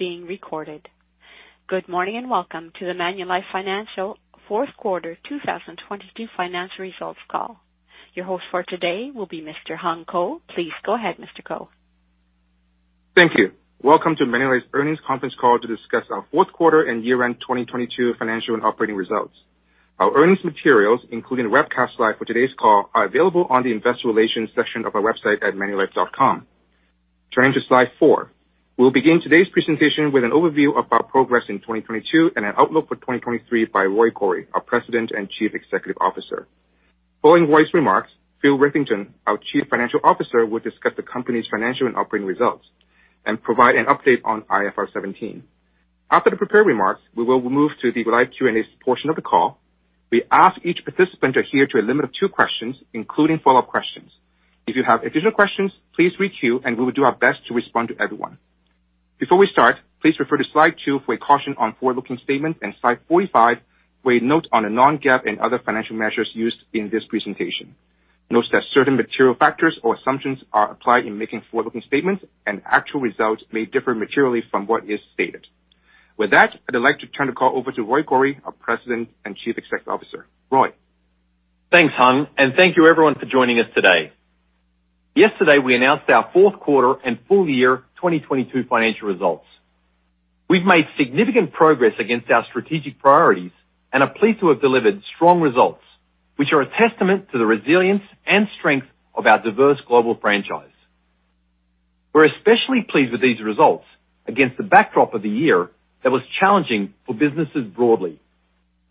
Being recorded. Good morning. Welcome to the Manulife Financial fourth quarter 2022 financial results call. Your host for today will be Mr. Hung Ko. Please go ahead, Mr. Ko. Thank you. Welcome to Manulife's earnings conference call to discuss our fourth quarter and year-end 2022 financial and operating results. Our earnings materials, including webcast slide for today's call, are available on the investor relations section of our website at manulife.com. Turning to slide four. We'll begin today's presentation with an overview of our progress in 2022 and an outlook for 2023 by Roy Gori, our President and Chief Executive Officer. Following Roy's remarks, Phil Witherington, our Chief Financial Officer, will discuss the company's financial and operating results and provide an update on IFRS 17. After the prepared remarks, we will move to the live Q&A portion of the call. We ask each participant to adhere to a limit of two questions, including follow-up questions. If you have additional questions, please re-queue, and we will do our best to respond to everyone. Before we start, please refer to slide two for a caution on forward-looking statements and slide 45 for a note on the non-GAAP and other financial measures used in this presentation. Note that certain material factors or assumptions are applied in making forward-looking statements and actual results may differ materially from what is stated. With that, I'd like to turn the call over to Roy Gori, our President and Chief Executive Officer. Roy? Thanks, Hung. Thank you everyone for joining us today. Yesterday, we announced our fourth quarter and full year 2022 financial results. We've made significant progress against our strategic priorities and are pleased to have delivered strong results, which are a testament to the resilience and strength of our diverse global franchise. We're especially pleased with these results against the backdrop of the year that was challenging for businesses broadly,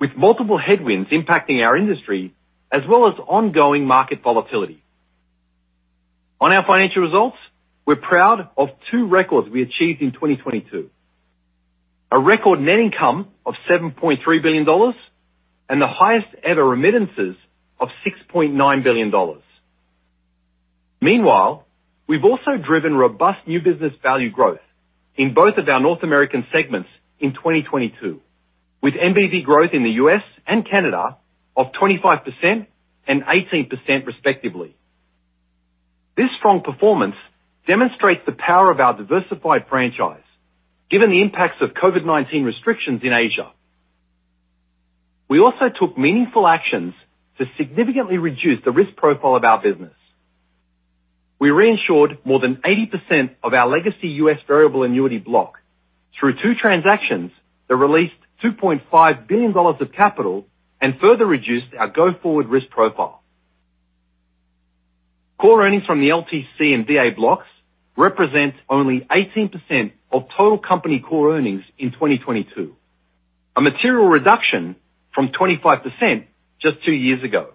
with multiple headwinds impacting our industry as well as ongoing market volatility. On our financial results, we're proud of two records we achieved in 2022. A record net income of $7.3 billion and the highest-ever remittances of $6.9 billion. Meanwhile, we've also driven robust new business value growth in both of our North American segments in 2022, with NBV growth in the U.S. and Canada of 25% and 18% respectively. This strong performance demonstrates the power of our diversified franchise, given the impacts of COVID-19 restrictions in Asia. We also took meaningful actions to significantly reduce the risk profile of our business. We reinsured more than 80% of our legacy U.S. variable annuity block through two transactions that released $2.5 billion of capital and further reduced our go-forward risk profile. Core earnings from the LTC and VA blocks represent only 18% of total company core earnings in 2022, a material reduction from 25% just two years ago.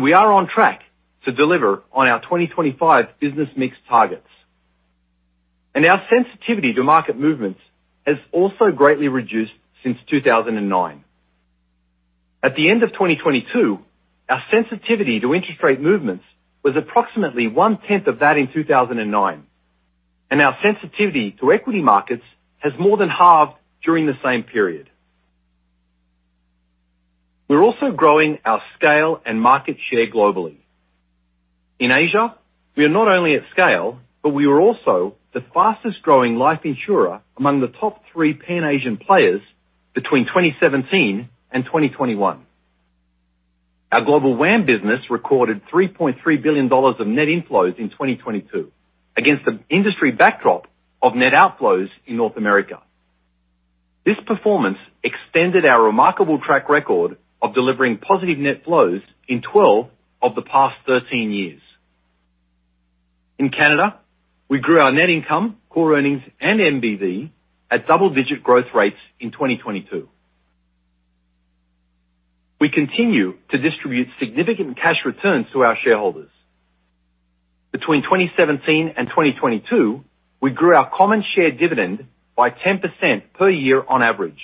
We are on track to deliver on our 2025 business mix targets. Our sensitivity to market movements has also greatly reduced since 2009. At the end of 2022, our sensitivity to interest rate movements was approximately 1/10 of that in 2009. Our sensitivity to equity markets has more than halved during the same period. We're also growing our scale and market share globally. In Asia, we are not only at scale, but we are also the fastest-growing life insurer among the top three Pan-Asian players between 2017 and 2021. Our global WAM business recorded $3.3 billion of net inflows in 2022 against an industry backdrop of net outflows in North America. This performance extended our remarkable track record of delivering positive net flows in 12 of the past 13 years. In Canada, we grew our net income, core earnings, and MBV at double-digit growth rates in 2022. We continue to distribute significant cash returns to our shareholders. Between 2017 and 2022, we grew our common share dividend by 10% per year on average,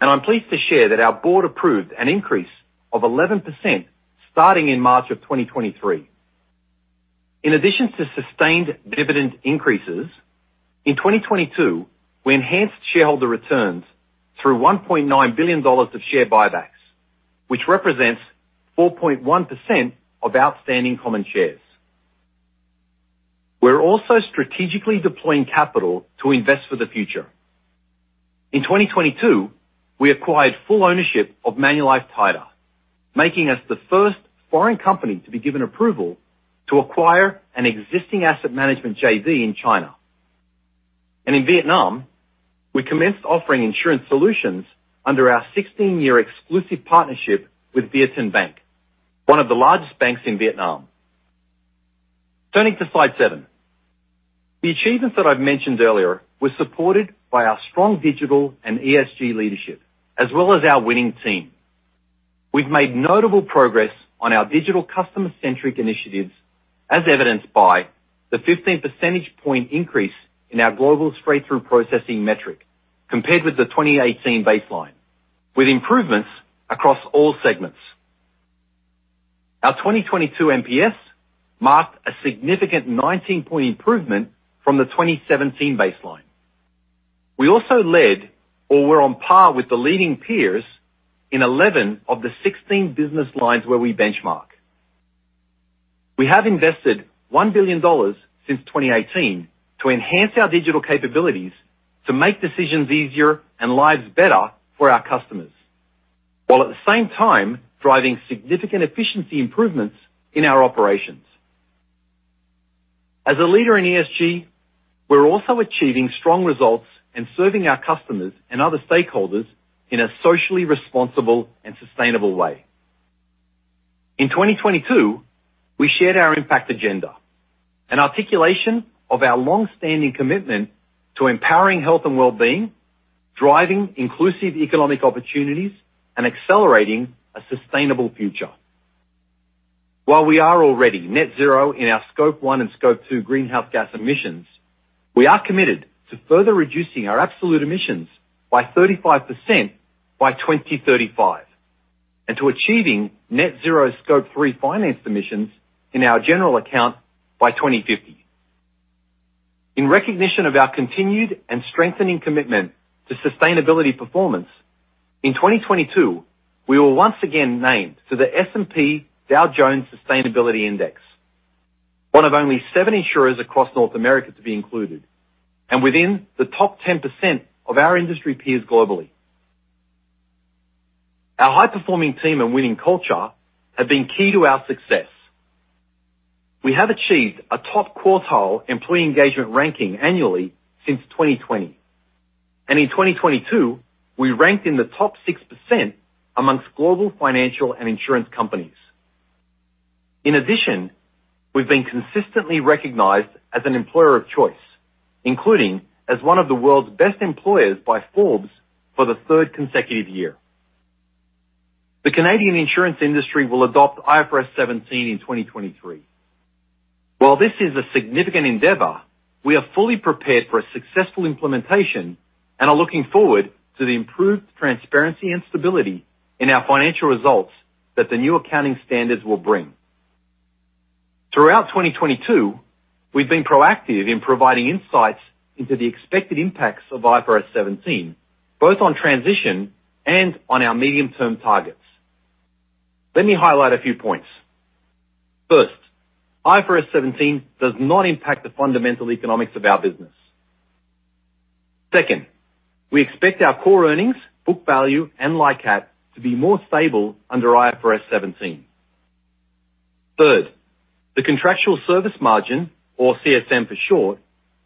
and I'm pleased to share that our board approved an increase of 11% starting in March 2023. In addition to sustained dividend increases, in 2022, we enhanced shareholder returns through $1.9 billion of share buybacks, which represents 4.1% of outstanding common shares. We're also strategically deploying capital to invest for the future. In 2022, we acquired full ownership of Manulife Title, making us the first foreign company to be given approval to acquire an existing asset management JV in China. In Vietnam, we commenced offering insurance solutions under our 16-year exclusive partnership with VietinBank, one of the largest banks in Vietnam. Turning to slide seven. The achievements that I've mentioned earlier were supported by our strong digital and ESG leadership, as well as our winning team. We've made notable progress on our digital customer-centric initiatives, as evidenced by the 15 percentage point increase in our global straight-through processing metric compared with the 2018 baseline, with improvements across all segments. Our 2022 NPS marked a significant 19-point improvement from the 2017 baseline. We also led or were on par with the leading peers in 11 of the 16 business lines where we benchmark. We have invested $1 billion since 2018 to enhance our digital capabilities to make decisions easier and lives better for our customers. While at the same time, driving significant efficiency improvements in our operations. As a leader in ESG, we're also achieving strong results and serving our customers and other stakeholders in a socially responsible and sustainable way. In 2022, we shared our Impact Agenda, an articulation of our long-standing commitment to empowering health and wellbeing, driving inclusive economic opportunities, and accelerating a sustainable future. While we are already net zero in our Scope 1 and Scope 2 greenhouse gas emissions, we are committed to further reducing our absolute emissions by 35% by 2035, and to achieving net zero Scope 3 finance emissions in our general account by 2050. In recognition of our continued and strengthening commitment to sustainability performance, in 2022, we were once again named to the S&P Dow Jones Sustainability Indices, one of only seven insurers across North America to be included, and within the top 10% of our industry peers globally. Our high-performing team and winning culture have been key to our success. We have achieved a top quartile employee engagement ranking annually since 2020. In 2022, we ranked in the top 6% amongst global financial and insurance companies. In addition, we've been consistently recognized as an employer of choice, including as one of the world's best employers by Forbes for the third consecutive year. The Canadian insurance industry will adopt IFRS 17 in 2023. While this is a significant endeavor, we are fully prepared for a successful implementation and are looking forward to the improved transparency and stability in our financial results that the new accounting standards will bring. Throughout 2022, we've been proactive in providing insights into the expected impacts of IFRS 17, both on transition and on our medium-term targets. Let me highlight a few points. First, IFRS 17 does not impact the fundamental economics of our business. Second, we expect our core earnings, book value, and LICAT to be more stable under IFRS 17. Third, the contractual service margin or CSM for short,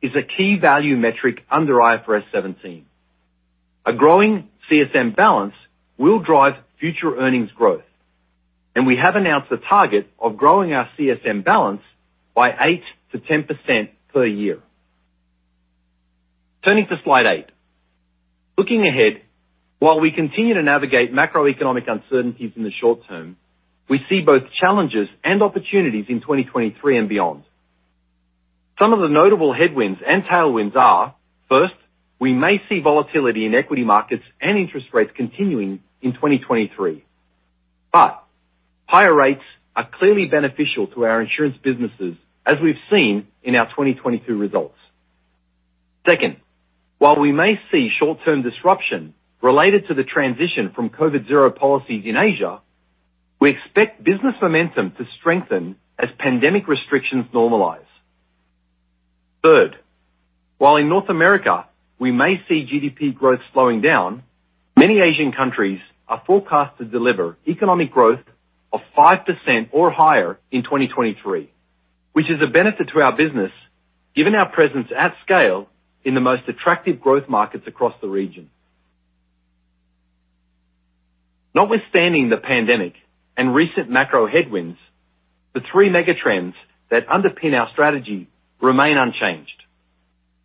is a key value metric under IFRS 17. A growing CSM balance will drive future earnings growth, and we have announced a target of growing our CSM balance by 8%-10% per year. Turning to slide eight. Looking ahead, while we continue to navigate macroeconomic uncertainties in the short term, we see both challenges and opportunities in 2023 and beyond. Some of the notable headwinds and tailwinds are: First, we may see volatility in equity markets and interest rates continuing in 2023, but higher rates are clearly beneficial to our insurance businesses as we've seen in our 2022 results. Second, while we may see short-term disruption related to the transition from COVID zero policies in Asia, we expect business momentum to strengthen as pandemic restrictions normalize. Third, while in North America we may see GDP growth slowing down, many Asian countries are forecast to deliver economic growth of 5% or higher in 2023, which is a benefit to our business, given our presence at scale in the most attractive growth markets across the region. Notwithstanding the pandemic and recent macro headwinds, the three mega trends that underpin our strategy remain unchanged.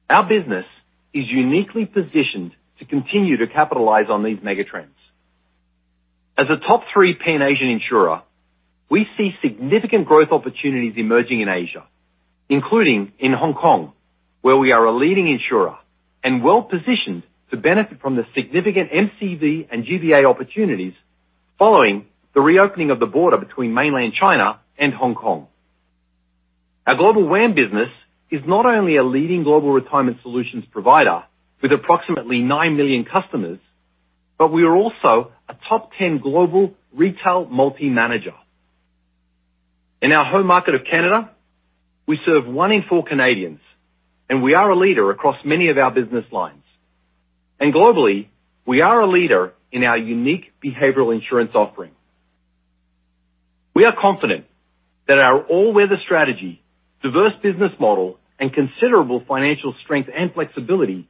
Our business is uniquely positioned to continue to capitalize on these mega trends. As a top-three Pan-Asian insurer, we see significant growth opportunities emerging in Asia, including in Hong Kong, where we are a leading insurer and well-positioned to benefit from the significant MCV and GBA opportunities following the reopening of the border between mainland China and Hong Kong. Our Global WAM business is not only a leading global retirement solutions provider with approximately 9 million customers, but we are also a top 10 global retail multi-manager. In our home market of Canada, we serve one in four Canadians, and we are a leader across many of our business lines. Globally, we are a leader in our unique behavioral insurance offering. We are confident that our all-weather strategy, diverse business model, and considerable financial strength and flexibility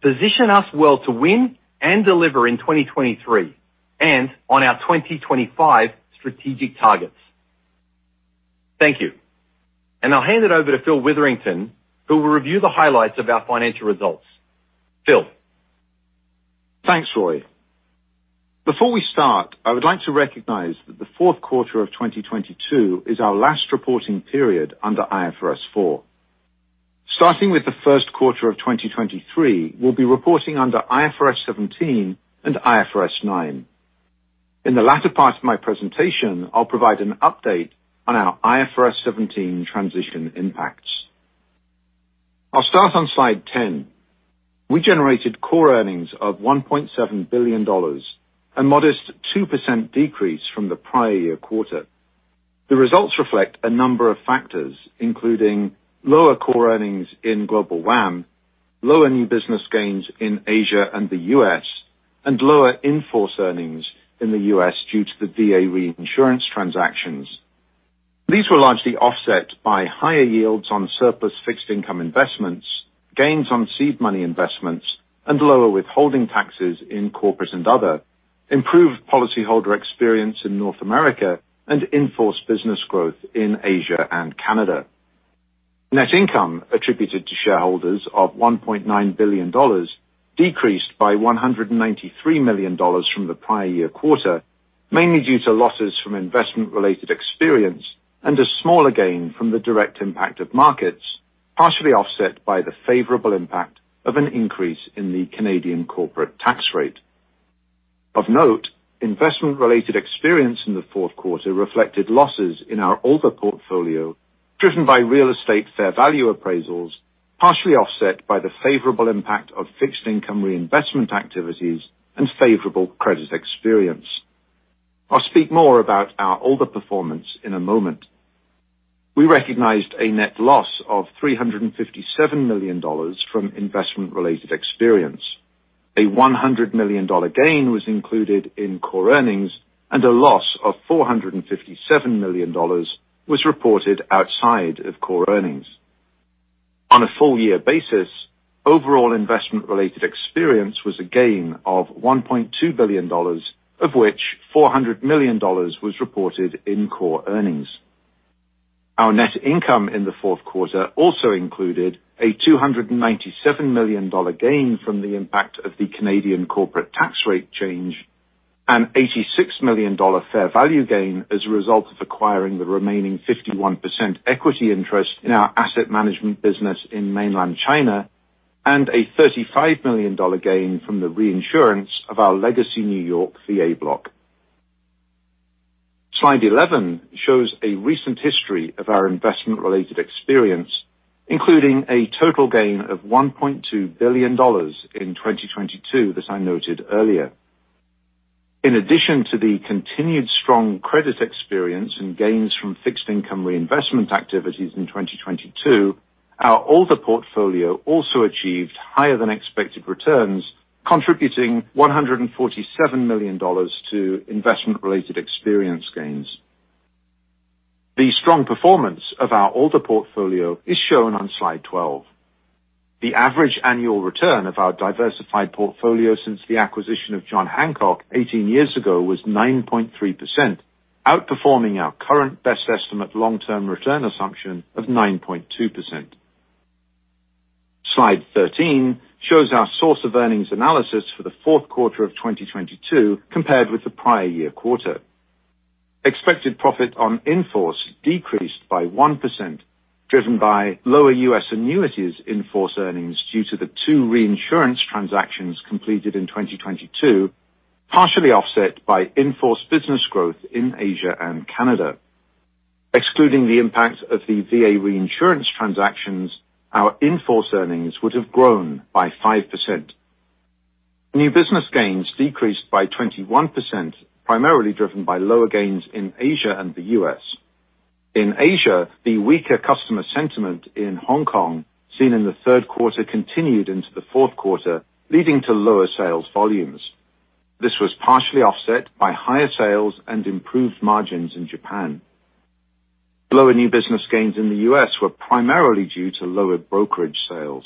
position us well to win and deliver in 2023 and on our 2025 strategic targets. Thank you. I'll hand it over to Phil Witherington, who will review the highlights of our financial results. Phil? Thanks, Roy. Before we start, I would like to recognize that the fourth quarter of 2022 is our last reporting period under IFRS 4. Starting with the first quarter of 2023, we'll be reporting under IFRS 17 and IFRS 9. In the latter part of my presentation, I'll provide an update on our IFRS 17 transition impacts. I'll start on slide 10. We generated core earnings of $1.7 billion, a modest 2% decrease from the prior-year quarter. The results reflect a number of factors, including lower core earnings in Global WAM, lower new business gains in Asia and the U.S., and lower in-force earnings in the U.S. due to the VA reinsurance transactions. These were largely offset by higher yields on surplus fixed income investments, gains on seed money investments, and lower withholding taxes in corporates and other, improved policyholder experience in North America, and in-force business growth in Asia and Canada. Net income attributed to shareholders of $1.9 billion decreased by $193 million from the prior year quarter, mainly due to losses from investment-related experience and a smaller gain from the direct impact of markets, partially offset by the favorable impact of an increase in the Canadian corporate tax rate. Of note, investment-related experience in the fourth quarter reflected losses in our older portfolio, driven by real estate fair value appraisals, partially offset by the favorable impact of fixed income reinvestment activities and favorable credit experience. I'll speak more about our older performance in a moment. We recognized a net loss of $357 million from investment-related experience. A $100 million gain was included in core earnings and a loss of $457 million was reported outside of core earnings. On a full year basis, overall investment-related experience was a gain of $1.2 billion, of which $400 million was reported in core earnings. Our net income in the fourth quarter also included a $297 million gain from the impact of the Canadian corporate tax rate change, an $86 million fair value gain as a result of acquiring the remaining 51% equity interest in our asset management business in mainland China, and a $35 million gain from the reinsurance of our legacy New York VA block. Slide 11 shows a recent history of our investment-related experience, including a total gain of $1.2 billion in 2022, as I noted earlier. In addition to the continued strong credit experience and gains from fixed income reinvestment activities in 2022, our older portfolio also achieved higher than expected returns, contributing $147 million to investment-related experience gains. The strong performance of our older portfolio is shown on Slide 12. The average annual return of our diversified portfolio since the acquisition of John Hancock 18 years ago was 9.3%, outperforming our current best estimate long-term return assumption of 9.2%. Slide 13 shows our source of earnings analysis for the fourth quarter of 2022 compared with the prior year quarter. Expected profit on in-force decreased by 1%, driven by lower U.S. annuities in-force earnings due to the two reinsurance transactions completed in 2022, partially offset by in-force business growth in Asia and Canada. Excluding the impact of the VA reinsurance transactions, our in-force earnings would have grown by 5%. New business gains decreased by 21%, primarily driven by lower gains in Asia and the U.S. In Asia, the weaker customer sentiment in Hong Kong, seen in the third quarter, continued into the fourth quarter, leading to lower sales volumes. This was partially offset by higher sales and improved margins in Japan. Lower new business gains in the U.S. were primarily due to lower brokerage sales.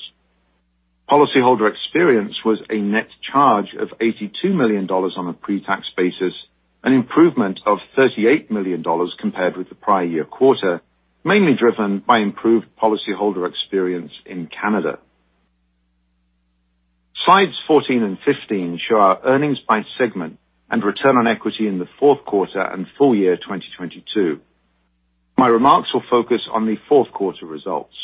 Policyholder experience was a net charge of $82 million on a pre-tax basis, an improvement of $38 million compared with the prior year quarter, mainly driven by improved policyholder experience in Canada. Slides 14 and 15 show our earnings by segment and return on equity in the fourth quarter and full year 2022. My remarks will focus on the fourth quarter results.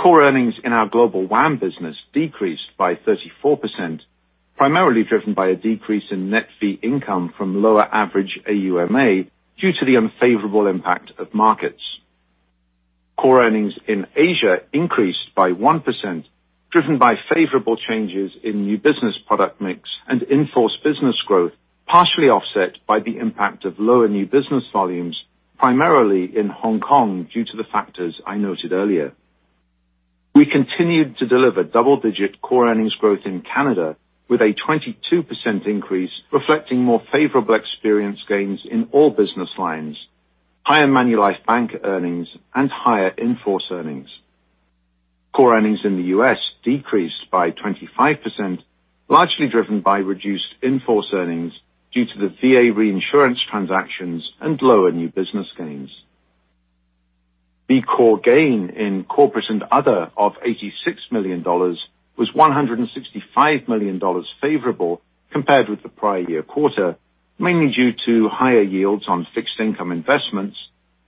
Core earnings in our global WAM business decreased by 34%, primarily driven by a decrease in net fee income from lower average AUMA due to the unfavorable impact of markets. Core earnings in Asia increased by 1%, driven by favorable changes in new business product mix and in-force business growth, partially offset by the impact of lower new business volumes, primarily in Hong Kong, due to the factors I noted earlier. We continued to deliver 22% core earnings growth in Canada, reflecting more favorable experience gains in all business lines, higher Manulife Bank earnings and higher in-force earnings. Core earnings in the U.S. decreased by 25%, largely driven by reduced in-force earnings due to the VA reinsurance transactions and lower new business gains. The core gain in corporate and other of $86 million was $165 million favorable compared with the prior year quarter, mainly due to higher yields on fixed income investments,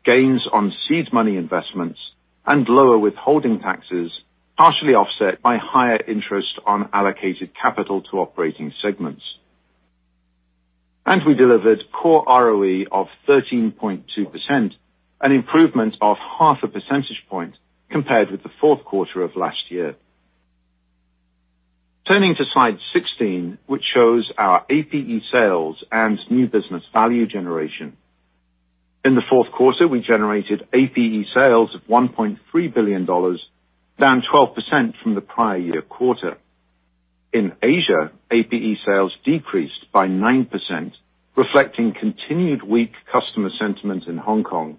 gains on seed money investments, and lower withholding taxes, partially offset by higher interest on allocated capital to operating segments. We delivered core ROE of 13.2%, an improvement of half a percentage point compared with the fourth quarter of last year. Turning to slide 16, which shows our APE sales and new business value generation. In the fourth quarter, we generated APE sales of $1.3 billion, down 12% from the prior year quarter. In Asia, APE sales decreased by 9%, reflecting continued weak customer sentiment in Hong Kong.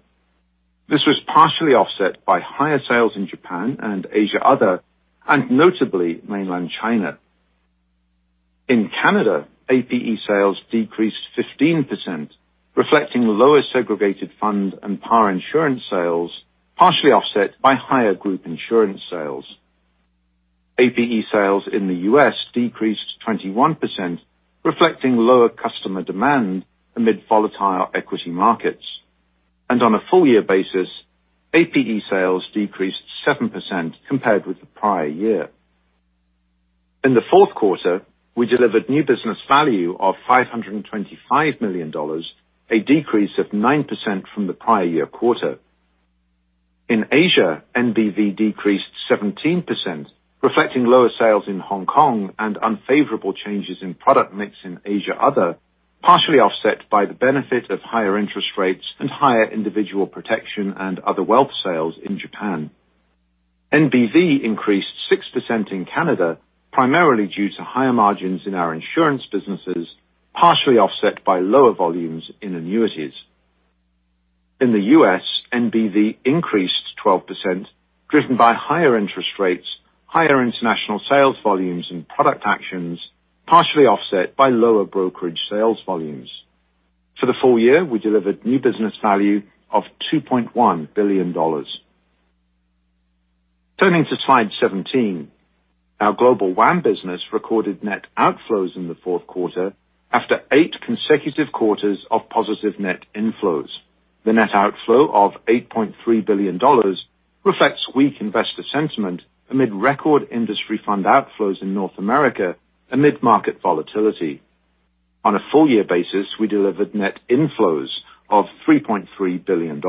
This was partially offset by higher sales in Japan and Asia Other, notably, mainland China. In Canada, APE sales decreased 15%, reflecting lower segregated fund and par insurance sales, partially offset by higher group insurance sales. APE sales in the U.S. decreased 21%, reflecting lower customer demand amid volatile equity markets. On a full year basis, APE sales decreased 7% compared with the prior year. In the fourth quarter, we delivered new business value of $525 million, a decrease of 9% from the prior year quarter. In Asia, NBV decreased 17%, reflecting lower sales in Hong Kong and unfavorable changes in product mix in Asia Other, partially offset by the benefit of higher interest rates and higher individual protection and other wealth sales in Japan. NBV increased 6% in Canada, primarily due to higher margins in our insurance businesses, partially offset by lower volumes in annuities. In the U.S., NBV increased 12%, driven by higher interest rates, higher international sales volumes and product actions, partially offset by lower brokerage sales volumes. For the full year, we delivered new business value of $2.1 billion. Turning to slide 17. Our global WAM business recorded net outflows in the fourth quarter after eight consecutive quarters of positive net inflows. The net outflow of $8.3 billion reflects weak investor sentiment amid record industry fund outflows in North America amid market volatility. On a full year basis, we delivered net inflows of $3.3 billion.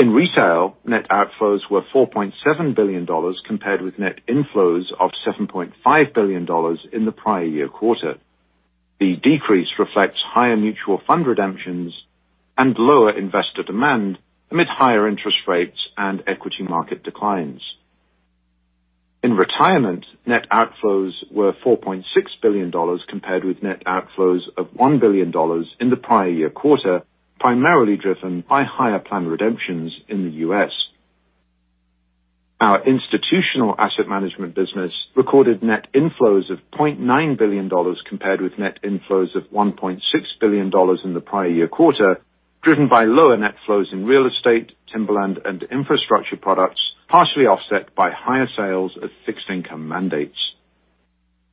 In retail, net outflows were $4.7 billion compared with net inflows of $7.5 billion in the prior year quarter. The decrease reflects higher mutual fund redemptions and lower investor demand amid higher interest rates and equity market declines. In retirement, net outflows were $4.6 billion compared with net outflows of $1 billion in the prior year quarter, primarily driven by higher plan redemptions in the U.S. Our institutional asset management business recorded net inflows of $0.9 billion compared with net inflows of $1.6 billion in the prior year quarter, driven by lower net flows in real estate, timberland, and infrastructure products, partially offset by higher sales of fixed income mandates.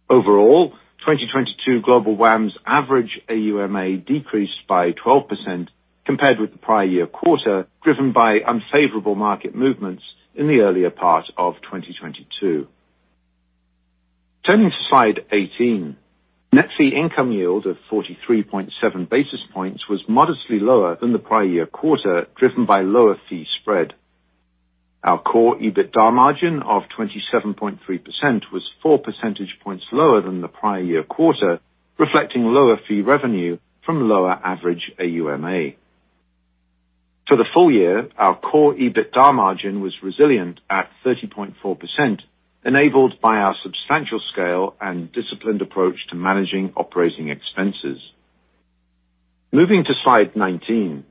Overall, 2022 global WAM's average AUMA decreased by 12% compared with the prior year quarter, driven by unfavorable market movements in the earlier part of 2022. Turning to slide 18. Net fee income yield of 43.7 basis points was modestly lower than the prior year quarter, driven by lower fee spread. Our core EBITDA margin of 27.3% was 4% points lower than the prior year quarter, reflecting lower fee revenue from lower average AUMA. For the full year, our core EBITDA margin was resilient at 30.4%, enabled by our substantial scale and disciplined approach to managing operating expenses. Moving to slide 19.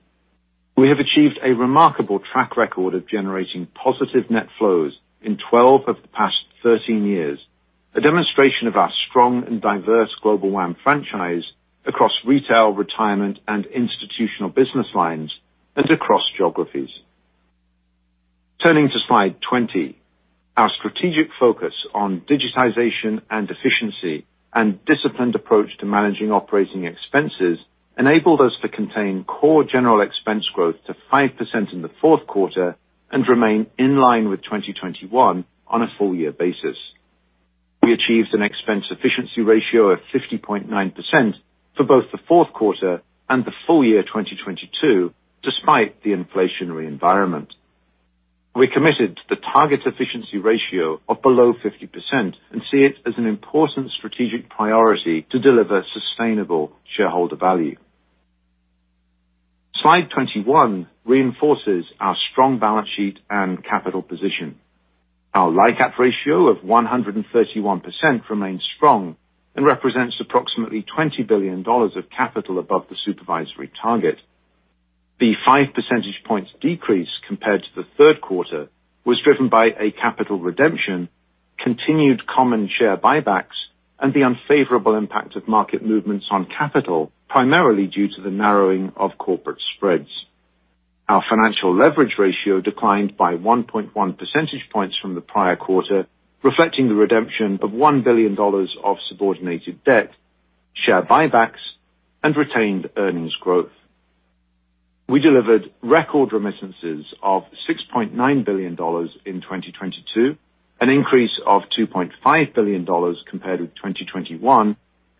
We have achieved a remarkable track record of generating positive net flows in 12 of the past 13 years, a demonstration of our strong and diverse global WAM franchise across retail, retirement, and institutional business lines, and across geographies. Turning to slide 20. Our strategic focus on digitization and efficiency and disciplined approach to managing operating expenses enabled us to contain core general expense growth to 5% in the fourth quarter and remain in line with 2021 on a full year basis. We achieved an expense efficiency ratio of 50.9% for both the fourth quarter and the full year 2022, despite the inflationary environment. We're committed to the target efficiency ratio of below 50% and see it as an important strategic priority to deliver sustainable shareholder value. Slide 21 reinforces our strong balance sheet and capital position. Our LICAT ratio of 131% remains strong and represents approximately $20 billion of capital above the supervisory target. The 5 percentage points decrease compared to the third quarter was driven by a capital redemption, continued common share buybacks, and the unfavorable impact of market movements on capital, primarily due to the narrowing of corporate spreads. Our financial leverage ratio declined by 1.1% points from the prior quarter, reflecting the redemption of $1 billion of subordinated debt, share buybacks, and retained earnings growth. We delivered record remittances of $6.9 billion in 2022, an increase of $2.5 billion compared with 2021,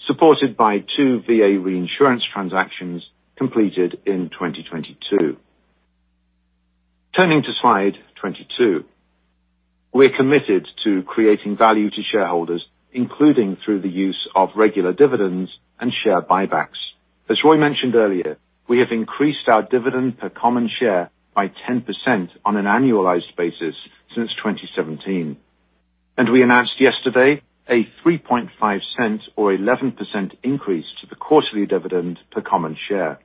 supported by two VA reinsurance transactions completed in 2022. Turning to slide 22. We're committed to creating value to shareholders, including through the use of regular dividends and share buybacks. As Roy mentioned earlier, we have increased our dividend per common share by 10% on an annualized basis since 2017. We announced yesterday a $0.035 or 11% increase to the quarterly dividend per common share.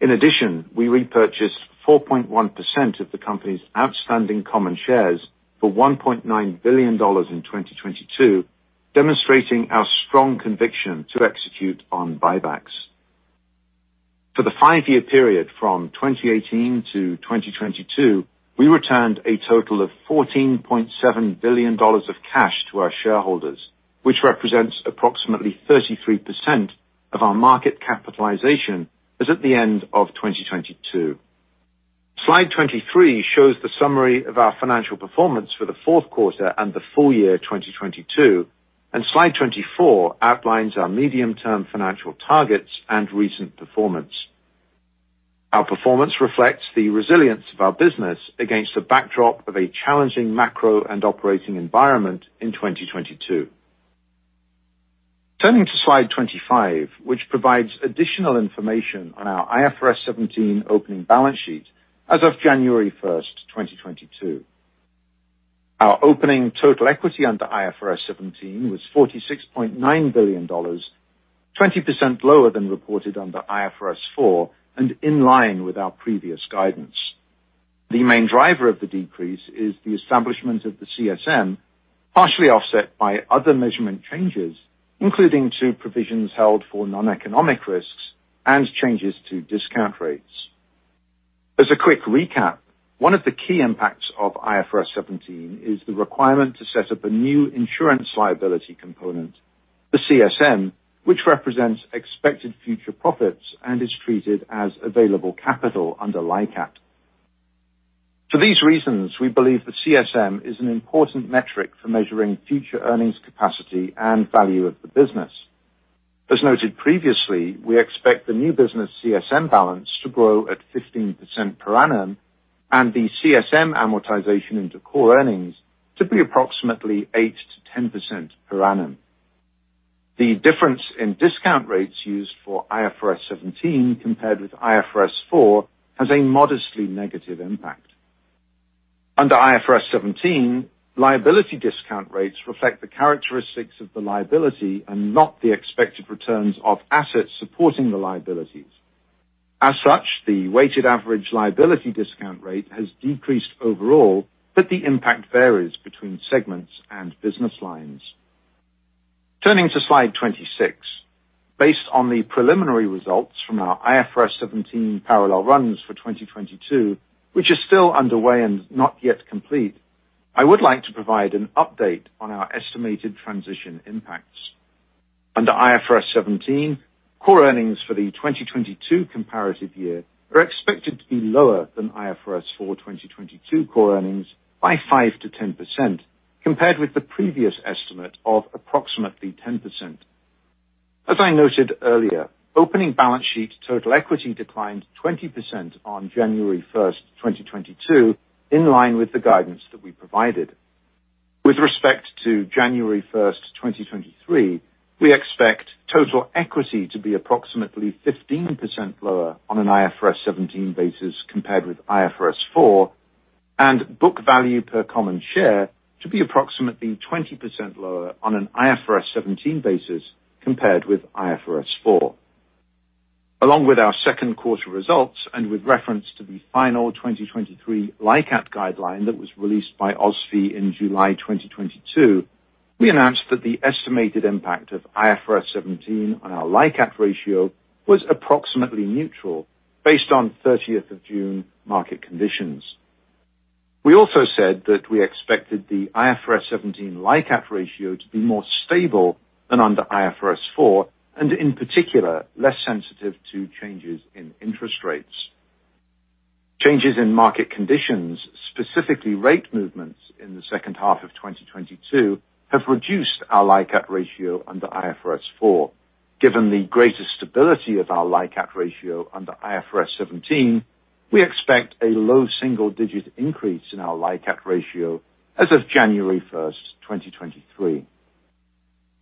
In addition, we repurchased 4.1% of the company's outstanding common shares for $1.9 billion in 2022, demonstrating our strong conviction to execute on buybacks. For the five-year period from 2018 to 2022, we returned a total of $14.7 billion of cash to our shareholders, which represents approximately 33% of our market capitalization as at the end of 2022. Slide 23 shows the summary of our financial performance for the fourth quarter and the full year 2022. Slide 24 outlines our medium-term financial targets and recent performance. Our performance reflects the resilience of our business against the backdrop of a challenging macro and operating environment in 2022. Turning to slide 25, which provides additional information on our IFRS 17 opening balance sheet as of January first, 2022. Our opening total equity under IFRS 17 was $46.9 billion, 20% lower than reported under IFRS 4 and in line with our previous guidance. The main driver of the decrease is the establishment of the CSM, partially offset by other measurement changes, including two provisions held for noneconomic risks and changes to discount rates. As a quick recap, one of the key impacts of IFRS 17 is the requirement to set up a new insurance liability component, the CSM, which represents expected future profits and is treated as available capital under LICAT. For these reasons, we believe that CSM is an important metric for measuring future earnings capacity and value of the business. As noted previously, we expect the new business CSM balance to grow at 15% per annum, and the CSM amortization into core earnings to be approximately 8-10% per annum. The difference in discount rates used for IFRS 17 compared with IFRS 4 has a modestly negative impact. Under IFRS 17, liability discount rates reflect the characteristics of the liability and not the expected returns of assets supporting the liabilities. The weighted average liability discount rate has decreased overall, but the impact varies between segments and business lines. Turning to slide 26. Based on the preliminary results from our IFRS 17 parallel runs for 2022, which is still underway and not yet complete, I would like to provide an update on our estimated transition impacts. Under IFRS 17, core earnings for the 2022 comparative year are expected to be lower than IFRS 4 2022 core earnings by 5%-10% compared with the previous estimate of approximately 10%. As I noted earlier, opening balance sheet total equity declined 20% on January 1, 2022, in line with the guidance that we provided. With respect to January 1st, 2023, we expect total equity to be approximately 15% lower on an IFRS 17 basis compared with IFRS 4 and book value per common share to be approximately 20% lower on an IFRS 17 basis compared with IFRS 4. Along with our second quarter results and with reference to the final 2023 LICAT guideline that was released by OSFI in July 2022, we announced that the estimated impact of IFRS 17 on our LICAT ratio was approximately neutral based on 30th of June market conditions. We also said that we expected the IFRS 17 LICAT ratio to be more stable than under IFRS 4 and, in particular, less sensitive to changes in interest rates. Changes in market conditions, specifically rate movements in the second half of 2022, have reduced our LICAT ratio under IFRS 4. Given the greater stability of our LICAT ratio under IFRS 17, we expect a low single-digit increase in our LICAT ratio as of January 1st, 2023.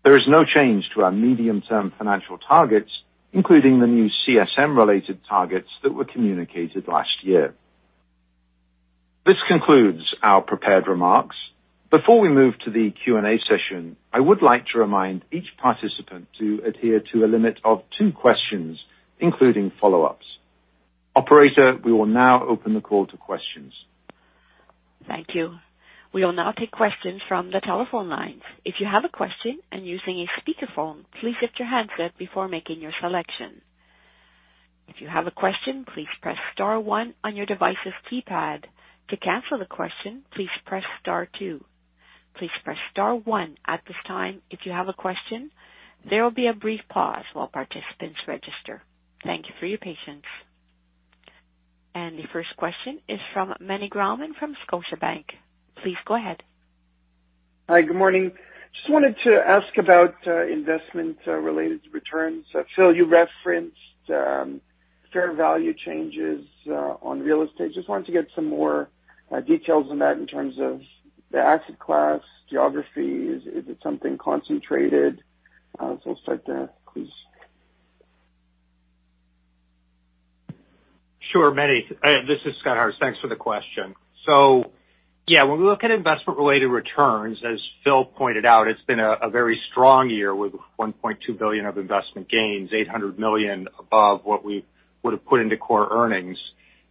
There is no change to our medium-term financial targets, including the new CSM-related targets that were communicated last year. This concludes our prepared remarks. Before we move to the Q&A session, I would like to remind each participant to adhere to a limit of two questions, including follow-ups. Operator, we will now open the call to questions. Thank you. We will now take questions from the telephone lines. If you have a question and using a speakerphone, please lift your handset before making your selection. If you have a question, please press star one on your device's keypad. To cancel the question, please press star two. Please press star one at this time if you have a question. There will be a brief pause while participants register. Thank you for your patience. The first question is from Meny Grauman from Scotiabank. Please go ahead. Hi, good morning. Just wanted to ask about investment related returns. Phil, you referenced fair value changes on real estate. Just wanted to get some more details on that in terms of the asset class geographies. Is it something concentrated? We'll start there, please. Sure, Meny. This is Scott Hartz. Thanks for the question. Yeah, when we look at investment related returns, as Phil pointed out, it's been a very strong year with $1.2 billion of investment gains, $800 million above what we would have put into core earnings.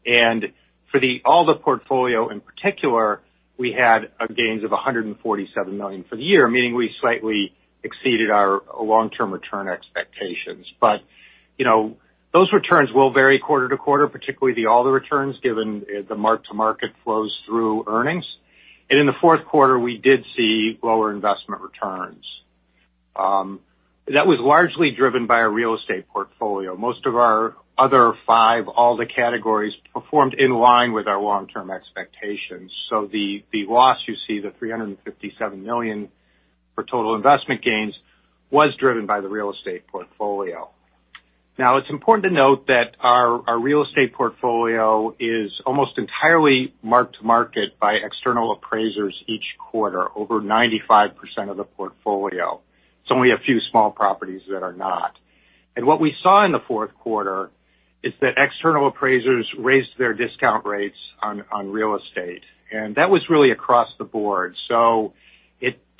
For the all the portfolio in particular, we had gains of $147 million for the year, meaning we slightly exceeded our long-term return expectations. You know, those returns will vary quarter to quarter, particularly the all the returns given the mark-to-market flows through earnings. In the fourth quarter, we did see lower investment returns. That was largely driven by our real estate portfolio. Most of our other five all the categories performed in line with our long-term expectations. The loss you see, the $357 million for total investment gains was driven by the real estate portfolio. It's important to note that our real estate portfolio is almost entirely mark-to-market by external appraisers each quarter, over 95% of the portfolio. It's only a few small properties that are not. What we saw in the fourth quarter is that external appraisers raised their discount rates on real estate, and that was really across the board.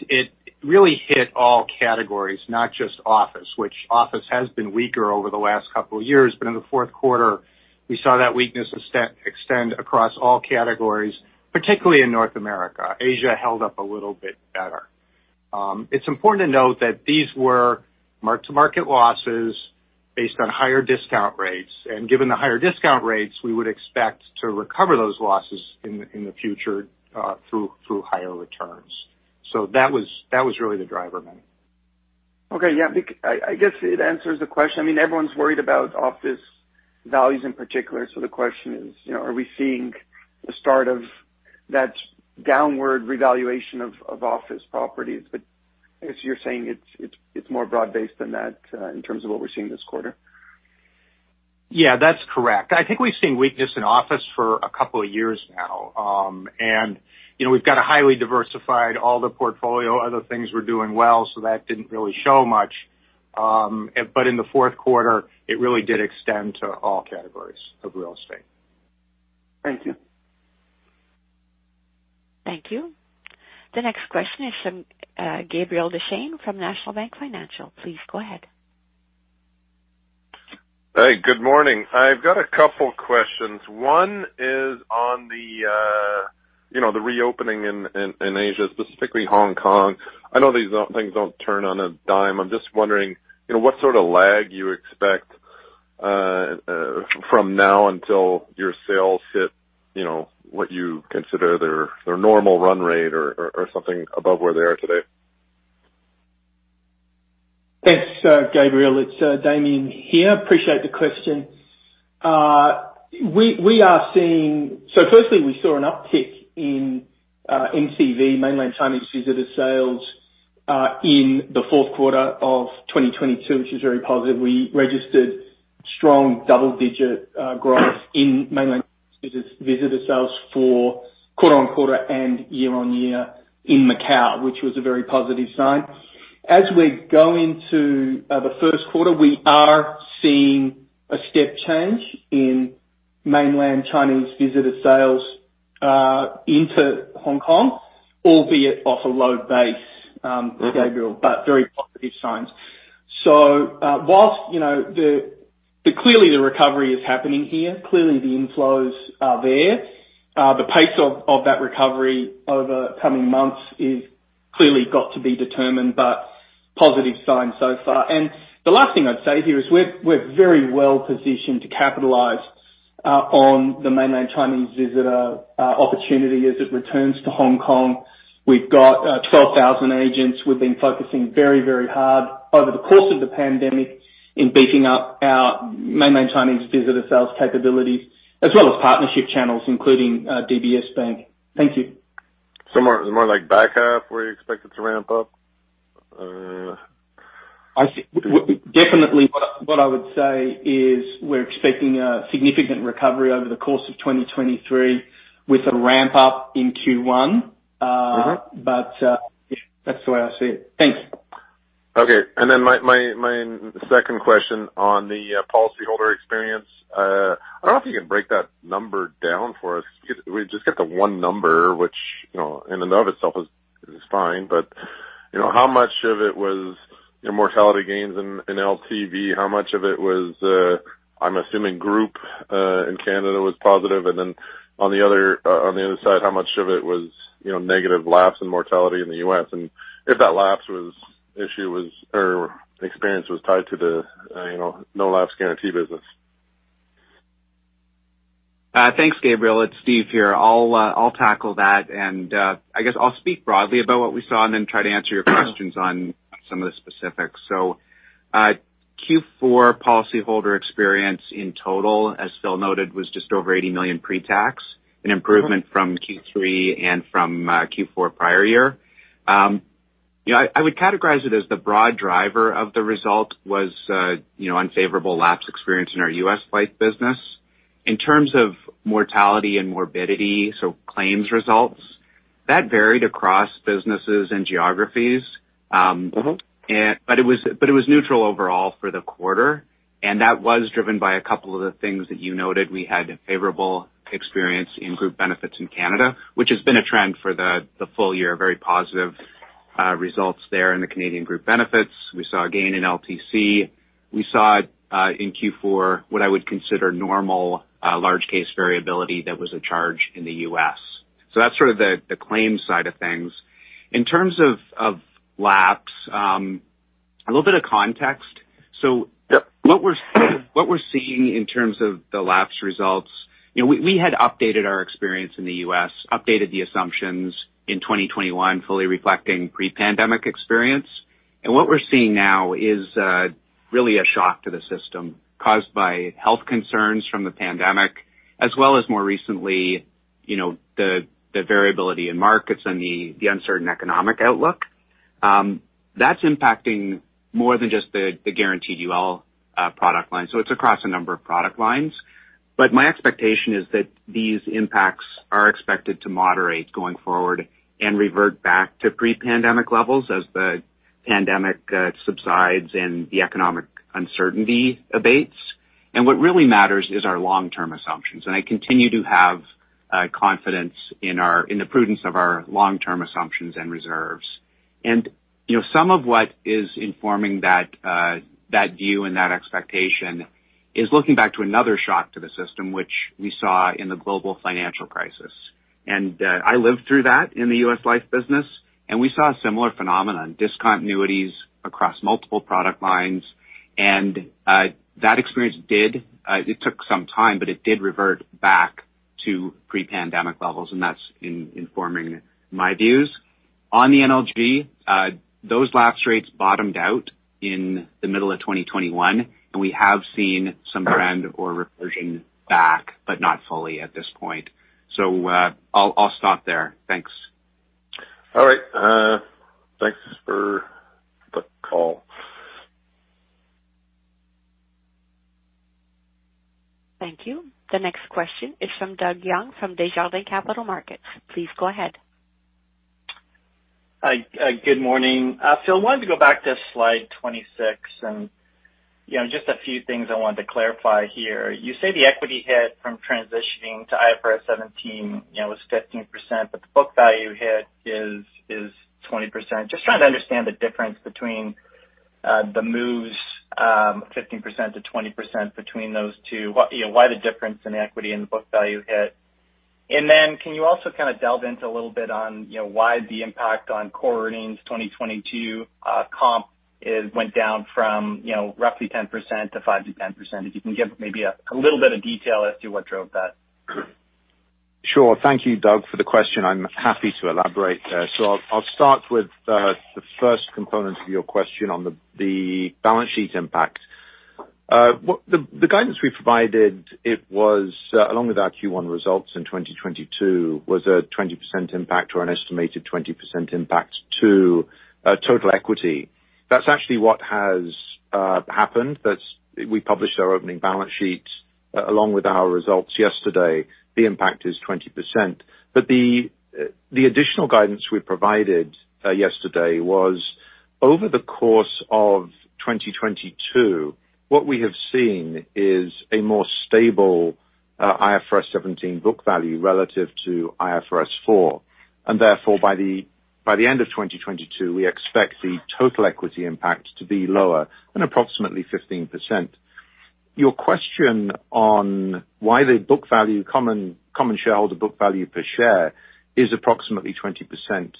It really hit all categories, not just office, which office has been weaker over the last couple of years. In the fourth quarter we saw that weakness extend across all categories, particularly in North America. Asia held up a little bit better. It's important to note that these were mark-to-market losses based on higher discount rates. Given the higher discount rates, we would expect to recover those losses in the future, through higher returns. That was really the driver, Meny. Okay. Yeah. I guess it answers the question. I mean, everyone's worried about office values in particular. The question is, you know, are we seeing the start of that downward revaluation of office properties? As you're saying, it's more broad-based than that, in terms of what we're seeing this quarter. Yeah. That's correct. I think we've seen weakness in office for a couple of years now. You know, we've got a highly diversified all the portfolio, other things we're doing well, so that didn't really show much. In the fourth quarter it really did extend to all categories of real estate. Thank you. Thank you. The next question is from Gabriel Dechaine from National Bank Financial. Please go ahead. Hey, good morning. I've got a couple questions. One is on the, you know, the reopening in, in Asia, specifically Hong Kong. I know these things don't turn on a dime. I'm just wondering, you know, what sort of lag you expect from now until your sales hit, you know, what you consider their normal run rate or something above where they are today. Thanks, Gabriel. It's Damien here. Appreciate the question. Firstly, we saw an uptick in MCV, Mainland Chinese Visitor sales in the fourth quarter of 2022, which is very positive. We registered strong double-digit growth in Mainland visitor sales for quarter-on-quarter and year-on-year in Macau, which was a very positive sign. As we go into the first quarter, we are seeing a step change in Mainland Chinese visitor sales into Hong Kong, albeit off a low base, Gabriel, very positive signs. Whilst, you know, clearly the recovery is happening here, clearly the inflows are there. The pace of that recovery over coming months is clearly got to be determined, positive signs so far. The last thing I'd say here is we're very well positioned to capitalize on the Mainland Chinese visitor opportunity as it returns to Hong Kong. We've got 12,000 agents. We've been focusing very, very hard over the course of the pandemic in beefing up our Mainland Chinese visitor sales capabilities as well as partnership channels, including DBS Bank. Thank you. More like back half where you expect it to ramp up? I see. Definitely what I would say is we're expecting a significant recovery over the course of 2023 with a ramp up in Q1. That's the way I see it. Thanks. Okay. My second question on the policyholder experience, I don't know if you can break that number down for us. We just get the one number which, you know, in and of itself is fine, but you know, how much of it was, you know, mortality gains in LTV? How much of it was, I'm assuming group, in Canada was positive? On the other side, how much of it was, you know, negative lapse in mortality in the U.S.? If that lapse was, issue was or experience was tied to the, you know, no lapse guarantee business? Thanks, Gabriel. It's Steve here. I'll tackle that. I guess I'll speak broadly about what we saw and then try to answer your questions on some of the specifics. Q4 policyholder experience in total, as Phil noted, was just over $80 million pre-tax, an improvement from Q3 and from Q4 prior year. You know, I would categorize it as the broad driver of the result was, you know, unfavorable lapse experience in our U.S. life business. In terms of mortality and morbidity, so claims results, that varied across businesses and geographies. Mm-hmm. It was neutral overall for the quarter, and that was driven by a couple of the things that you noted. We had favorable experience in group benefits in Canada, which has been a trend for the full year, very positive results there in the Canadian group benefits. We saw a gain in LTC. We saw in Q4 what I would consider normal large case variability that was a charge in the U.S. That's sort of the claims side of things. In terms of lapse, a little bit of context. What we're seeing in terms of the lapse results, you know, we had updated our experience in the U.S., updated the assumptions in 2021 fully reflecting pre-pandemic experience. What we're seeing now is really a shock to the system caused by health concerns from the pandemic, as well as more recently, you know, the variability in markets and the uncertain economic outlook. That's impacting more than just the Guaranteed UL product line. It's across a number of product lines. My expectation is that these impacts are expected to moderate going forward and revert back to pre-pandemic levels as the pandemic subsides and the economic uncertainty abates. What really matters is our long-term assumptions. I continue to have confidence in our, in the prudence of our long-term assumptions and reserves. You know, some of what is informing that view and that expectation is looking back to another shock to the system, which we saw in the global financial crisis. I lived through that in the U.S. life business, and we saw a similar phenomenon, discontinuities across multiple product lines. That experience did, it took some time, but it did revert back to pre-pandemic levels, and that's informing my views. On the NLG, those lapse rates bottomed out in the middle of 2021, and we have seen some trend or reversion back, but not fully at this point. I'll stop there. Thanks. All right. Thanks for the call. Thank you. The next question is from Doug Young from Desjardins Capital Markets. Please go ahead. Hi. Good morning. Phil, wanted to go back to slide 26, you know, just a few things I wanted to clarify here. You say the equity hit from transitioning to IFRS 17, you know, was 15%, but the book value hit is 20%. Just trying to understand the difference between the moves, 15%-20% between those two. What, you know, why the difference in equity and book value hit? Can you also kind of delve into a little bit on, you know, why the impact on core earnings 2022 comp went down from, you know, roughly 10% to 5%-10%? If you can give maybe a little bit of detail as to what drove that. Sure. Thank you, Doug, for the question. I'm happy to elaborate. I'll start with the first component of your question on the balance sheet impact. The guidance we provided it was along with our Q1 results in 2022, was a 20% impact or an estimated 20% impact to total equity. That's actually what has happened. We published our opening balance sheet along with our results yesterday. The impact is 20%. The additional guidance we provided yesterday was over the course of 2022, what we have seen is a more stable IFRS 17 book value relative to IFRS 4. Therefore, by the end of 2022, we expect the total equity impact to be lower and approximately 15%. Your question on why the book value common shareholder book value per share is approximately 20%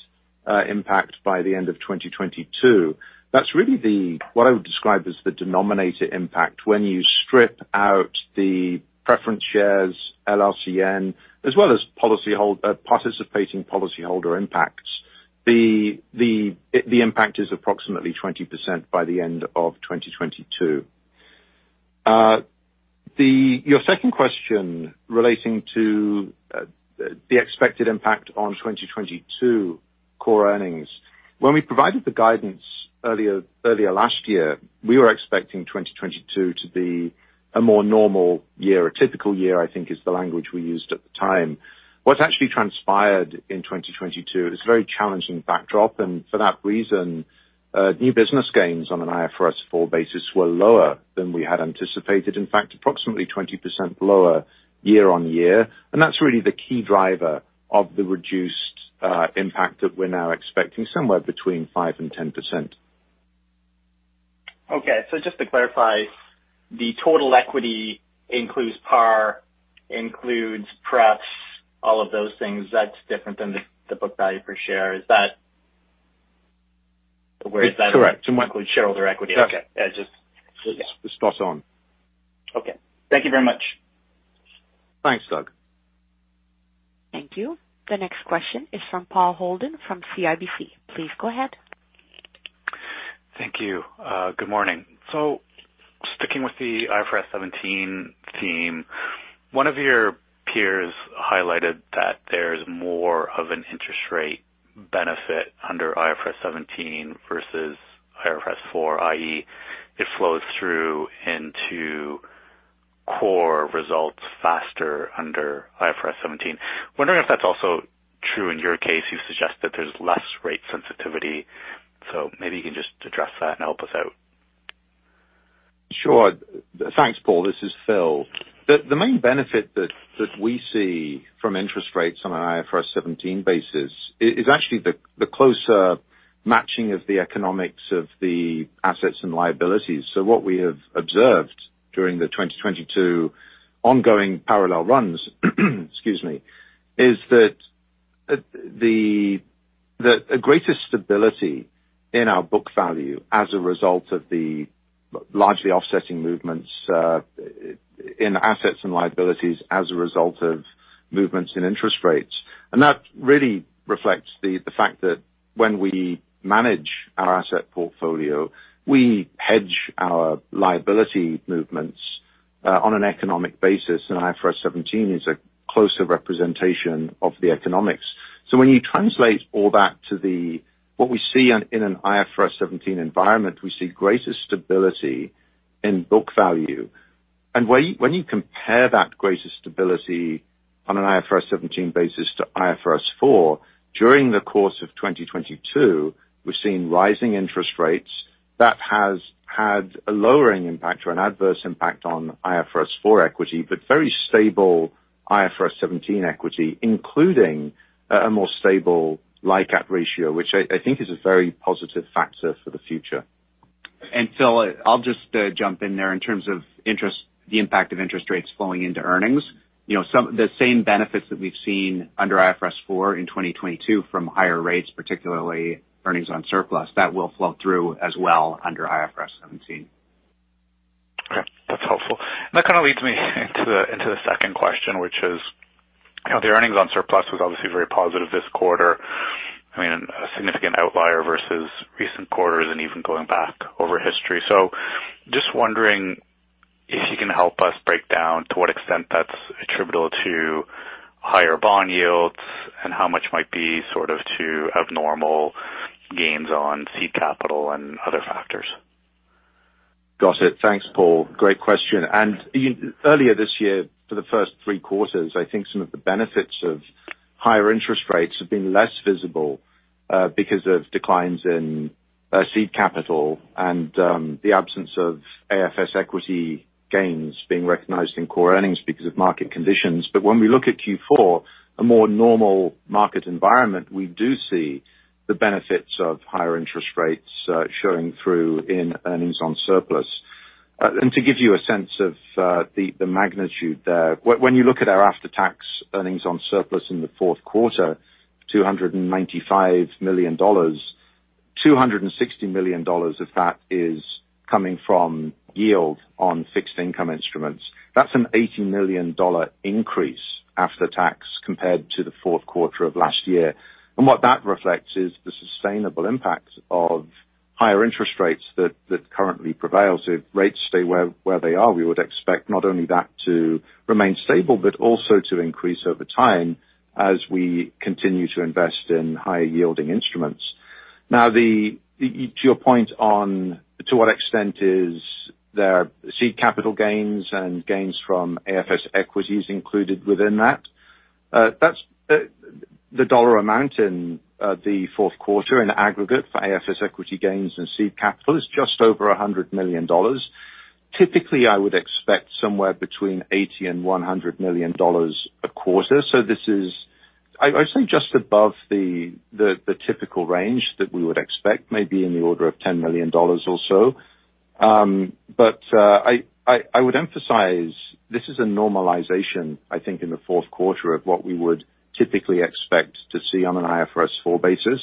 impact by the end of 2022, that's really the what I would describe as the denominator impact. When you strip out the preference shares, LLCN, as well as policyholder participating policyholder impacts, the impact is approximately 20% by the end of 2022. Your second question relating to the expected impact on 2022 core earnings. When we provided the guidance earlier last year, we were expecting 2022 to be a more normal year. A typical year, I think, is the language we used at the time. What's actually transpired in 2022 is a very challenging backdrop, and for that reason, new business gains on an IFRS 4 basis were lower than we had anticipated, in fact, approximately 20% lower year-over-year. That's really the key driver of the reduced impact that we're now expecting, somewhere between 5%-10%. Okay. Just to clarify, the total equity includes par, includes prep, all of those things that's different than the book value per share. Is that? Where is that? Correct. To include shareholder equity. Okay. I just. Spot on. Okay. Thank you very much. Thanks, Doug. Thank you. The next question is from Paul Holden from CIBC. Please go ahead. Thank you. Good morning. Sticking with the IFRS 17 team, one of your peers highlighted that there's more of an interest rate benefit under IFRS 17 versus IFRS 4, i.e., it flows through into core results faster under IFRS 17. Wondering if that's also true in your case. You suggest that there's less rate sensitivity. Maybe you can just address that and help us out. Sure. Thanks, Paul. This is Phil. The main benefit that we see from interest rates on an IFRS 17 basis is actually the closer matching of the economics of the assets and liabilities. What we have observed during the 2022 ongoing parallel runs, excuse me, is that a greater stability in our book value as a result of the largely offsetting movements in assets and liabilities as a result of movements in interest rates. That really reflects the fact that when we manage our asset portfolio, we hedge our liability movements on an economic basis, and IFRS 17 is a closer representation of the economics. When you translate all that to what we see in an IFRS 17 environment, we see greater stability in book value. When you compare that greater stability on an IFRS 17 basis to IFRS 4, during the course of 2022, we've seen rising interest rates. That has had a lowering impact or an adverse impact on IFRS 4 equity, but very stable IFRS 17 equity, including a more stable LICAT ratio, which I think is a very positive factor for the future. Phil, I'll just jump in there. In terms of interest, the impact of interest rates flowing into earnings. You know, the same benefits that we've seen under IFRS 4 in 2022 from higher rates, particularly earnings on surplus, that will flow through as well under IFRS 17. Okay. That's helpful. That kind of leads me into the second question, which is, you know, the earnings on surplus was obviously very positive this quarter. I mean, a significant outlier versus recent quarters and even going back over history. Just wondering if you can help us break down to what extent that's attributable to higher bond yields and how much might be sort of to abnormal gains on seed capital and other factors. Got it. Thanks, Paul. Great question. Earlier this year, for the first three quarters, I think some of the benefits of higher interest rates have been less visible because of declines in seed capital and the absence of AFS equity gains being recognized in core earnings because of market conditions. When we look at Q4, a more normal market environment, we do see the benefits of higher interest rates showing through in earnings on surplus. To give you a sense of the magnitude there, when you look at our after-tax earnings on surplus in the fourth quarter, $295 million, $260 million of that is coming from yield on fixed income instruments. That's an $80 million increase after tax compared to the fourth quarter of last year. What that reflects is the sustainable impact of higher interest rates that currently prevails. If rates stay where they are, we would expect not only that to remain stable, but also to increase over time as we continue to invest in higher yielding instruments. To your point on to what extent is there seed capital gains and gains from AFS equities included within that. That's the dollar amount in the fourth quarter in aggregate for AFS equity gains and seed capital is just over $100 million. Typically, I would expect somewhere between $80 million and $100 million a quarter. This is, I would say just above the typical range that we would expect, maybe in the order of $10 million or so. I would emphasize this is a normalization, I think, in the fourth quarter of what we would typically expect to see on an IFRS 4 basis.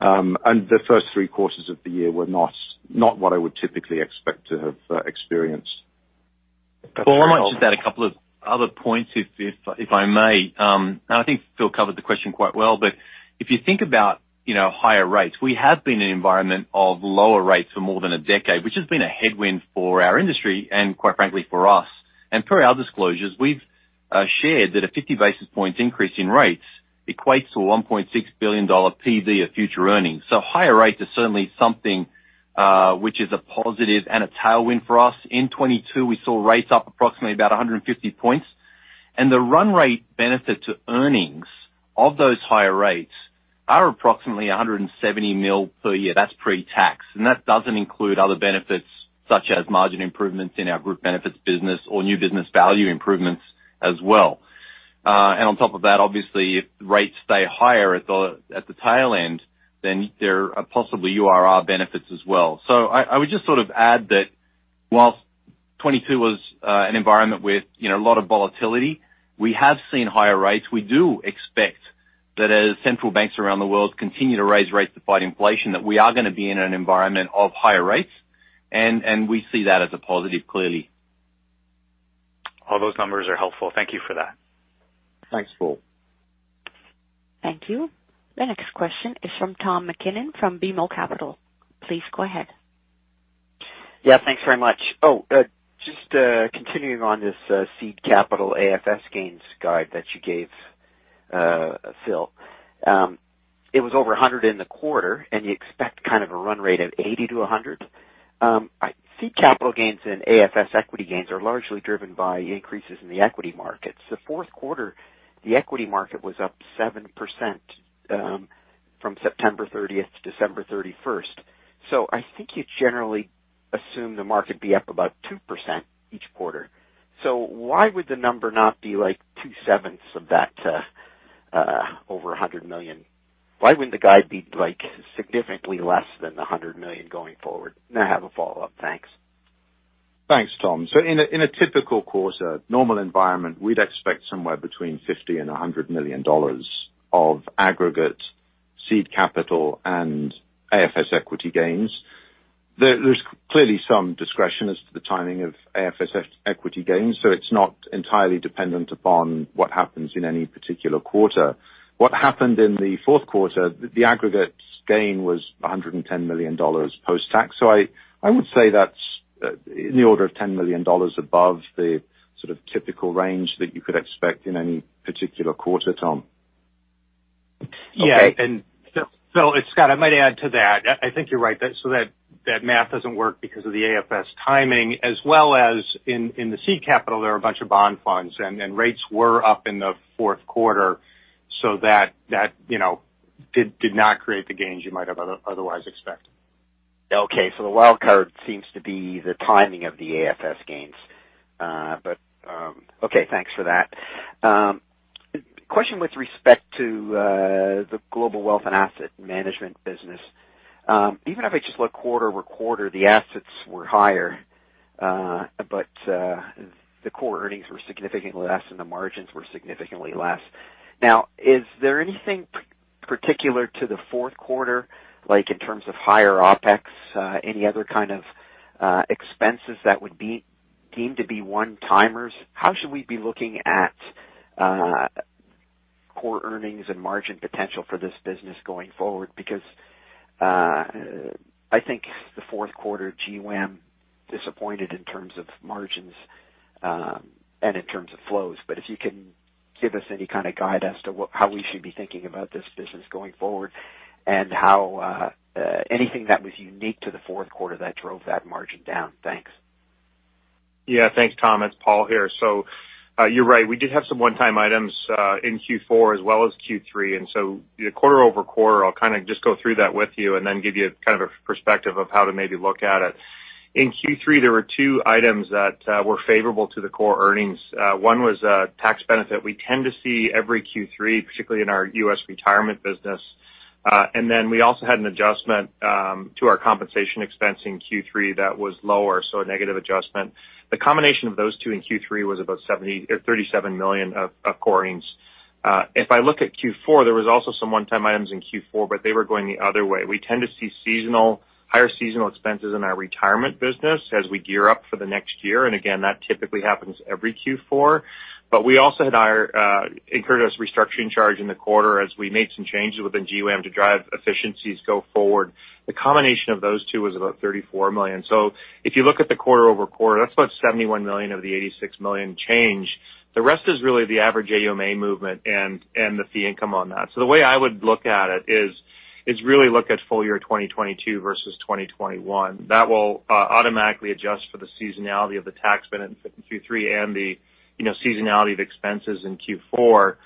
The first three quarters of the year were not what I would typically expect to have experienced. Paul, I might just add a couple of other points if I may. I think Phil covered the question quite well. If you think about, you know, higher rates, we have been in an environment of lower rates for more than a decade, which has been a headwind for our industry and quite frankly, for us. Per our disclosures, we've shared that a 50 basis point increase in rates equates to $1.6 billion PV of future earnings. Higher rates is certainly something which is a positive and a tailwind for us. In 2022, we saw rates up approximately about 150 points. The run rate benefit to earnings of those higher rates are approximately $170 million per year. That's pre-tax. That doesn't include other benefits such as margin improvements in our group benefits business or new business value improvements as well. On top of that, obviously if rates stay higher at the, at the tail end, then there are possibly URR benefits as well. I would just sort of add that. 2022 was an environment with, you know, a lot of volatility. We have seen higher rates. We do expect that as central banks around the world continue to raise rates to fight inflation, that we are gonna be in an environment of higher rates, and we see that as a positive, clearly. All those numbers are helpful. Thank you for that. Thanks, Paul. Thank you. The next question is from Tom MacKinnon from BMO Capital. Please go ahead. Yeah, thanks very much. just to continuing on this seed capital AFS gains guide that you gave, Phil. it was over $100 in the quarter, and you expect kind of a run rate of $80-$100. seed capital gains and AFS equity gains are largely driven by increases in the equity markets. The fourth quarter, the equity market was up 7% from September thirtieth to December 31st. I think you generally assume the market be up about 2% each quarter. why would the number not be like 2/7 of that over $100 million? Why wouldn't the guide be, like, significantly less than the $100 million going forward? I have a follow-up. Thanks. Thanks, Tom. In a typical quarter, normal environment, we'd expect somewhere between $50 million and $100 million of aggregate seed capital and AFS equity gains. There's clearly some discretion as to the timing of AFS equity gains. It's not entirely dependent upon what happens in any particular quarter. What happened in the fourth quarter, the aggregate's gain was $110 million post-tax. I would say that's in the order of $10 million above the sort of typical range that you could expect in any particular quarter, Tom. Okay. Yeah. Scott, I might add to that. I think you're right. That math doesn't work because of the AFS timing, as well as in the seed capital, there are a bunch of bond funds, and rates were up in the fourth quarter, so that, you know, did not create the gains you might have otherwise expected. The wild card seems to be the timing of the AFS gains. Okay, thanks for that. Question with respect to the global wealth and asset management business. Even if I just look quarter-over-quarter, the assets were higher, but the core earnings were significantly less and the margins were significantly less. Now, is there anything particular to the fourth quarter, like in terms of higher OpEx, any other kind of expenses that would be deemed to be one-timers? How should we be looking at core earnings and margin potential for this business going forward? Because, I think the fourth quarter GWAM disappointed in terms of margins, and in terms of flows. If you can give us any kind of guide as to what. how we should be thinking about this business going forward and how, anything that was unique to the fourth quarter that drove that margin down. Thanks. Yeah. Thanks, Tom. It's Paul here. You're right. We did have some one-time items in Q4 as well as Q3, and so quarter-over-quarter, I'll kind of just go through that with you and then give you kind of a perspective of how to maybe look at it. In Q3, there were two items that were favorable to the core earnings. One was a tax benefit we tend to see every Q3, particularly in our U.S. retirement business. We also had an adjustment to our compensation expense in Q3 that was lower, so a negative adjustment. The combination of those two in Q3 was about $37 million of core earnings. If I look at Q4, there was also some one-time items in Q4, but they were going the other way. We tend to see seasonal, higher seasonal expenses in our retirement business as we gear up for the next year. Again, that typically happens every Q4. We also had our incurred a restructuring charge in the quarter as we made some changes within GWAM to drive efficiencies go forward. The combination of those two was about $34 million. If you look at the quarter-over-quarter, that's about $71 million of the $86 million change. The rest is really the average AUMA movement and the fee income on that. The way I would look at it is really look at full year 2022 versus 2021. That will automatically adjust for the seasonality of the tax benefit in Q3 and the, you know, seasonality of expenses in Q4,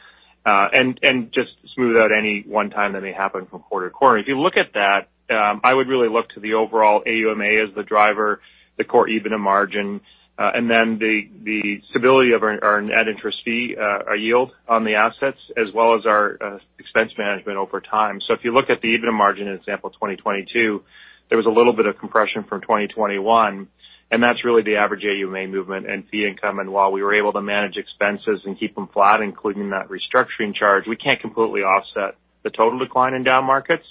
and just smooth out any one time that may happen from quarter to quarter. If you look at that, I would really look to the overall AUMA as the driver, the core EBITDA margin, and then the stability of our net interest fee, our yield on the assets, as well as our expense management over time. If you look at the EBITDA margin in, example, 2022, there was a little bit of compression from 2021, and that's really the average AUMA movement and fee income. While we were able to manage expenses and keep them flat, including that restructuring charge, we can't completely offset the total decline in down markets.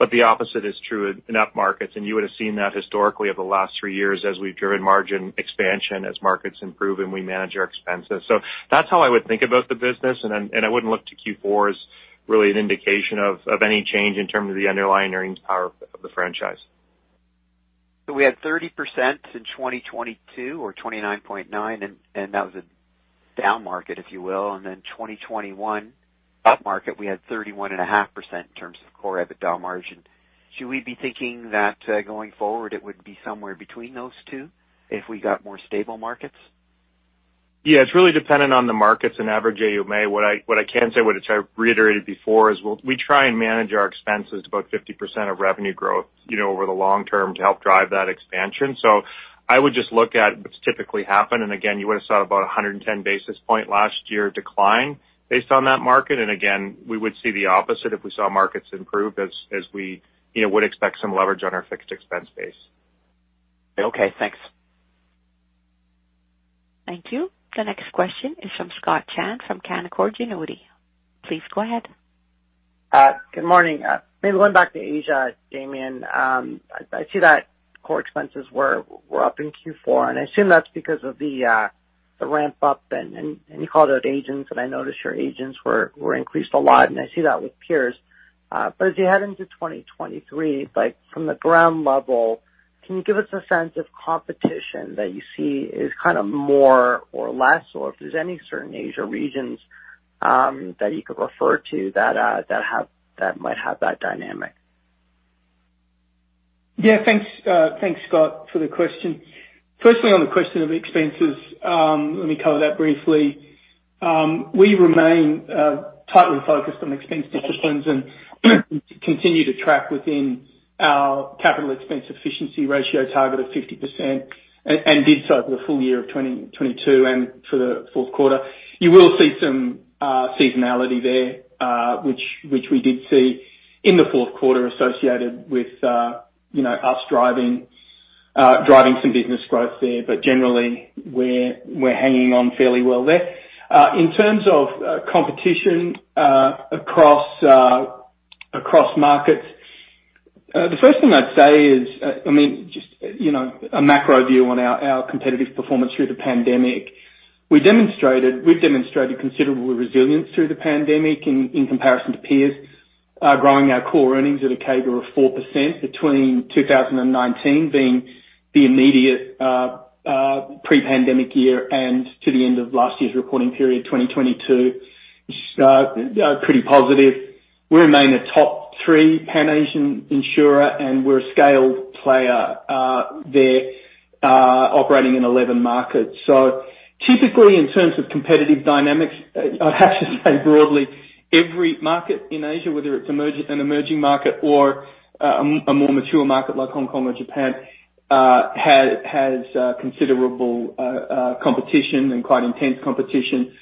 The opposite is true in up markets. You would have seen that historically over the last three years as we've driven margin expansion, as markets improve and we manage our expenses. That's how I would think about the business, and I wouldn't look to Q4 as really an indication of any change in terms of the underlying earnings power of the franchise. We had 30% in 2022 or 29.9%, and that was a down market, if you will. Then 2021 up market, we had 31.5% in terms of core EBITDA margin. Should we be thinking that, going forward, it would be somewhere between those two if we got more stable markets? Yeah. It's really dependent on the markets and average AUMA. What I can say, which I reiterated before, is we try and manage our expenses about 50% of revenue growth, you know, over the long term to help drive that expansion. I would just look at what's typically happened. Again, you would have saw about 110 basis point last year decline based on that market. Again, we would see the opposite if we saw markets improve as we, you know, would expect some leverage on our fixed expense base. Okay. Thanks. Thank you. The next question is from Scott Chan from Canaccord Genuity. Please go ahead. Good morning. Maybe going back to Asia, Damien. I see that core expenses were up in Q4, and I assume that's because of the ramp up and you called out agents, and I noticed your agents were increased a lot, and I see that with peers. As you head into 2023, like from the ground level, can you give us a sense of competition that you see is kind of more or less, or if there's any certain Asia regions that you could refer to that might have that dynamic? Yeah, thanks Scott for the question. Firstly, on the question of expenses, let me cover that briefly. We remain tightly focused on expense disciplines and continue to track within our capital expense efficiency ratio target of 50% and did so for the full year of 2022 and for the fourth quarter. You will see some seasonality there, which we did see in the fourth quarter associated with, you know, us driving some business growth there. Generally we're hanging on fairly well there. In terms of competition across markets, the first thing I'd say is, I mean, just, you know, a macro view on our competitive performance through the pandemic. We've demonstrated considerable resilience through the pandemic in comparison to peers, growing our core earnings at a CAGR of 4% between 2019 being the immediate pre-pandemic year and to the end of last year's reporting period, 2022. Pretty positive. We remain a top three Pan-Asian insurer, we're a scaled player there, operating in 11 markets. Typically in terms of competitive dynamics, I'd have to say broadly, every market in Asia, whether it's an emerging market or a more mature market like Hong Kong or Japan, has considerable competition and quite intense competition.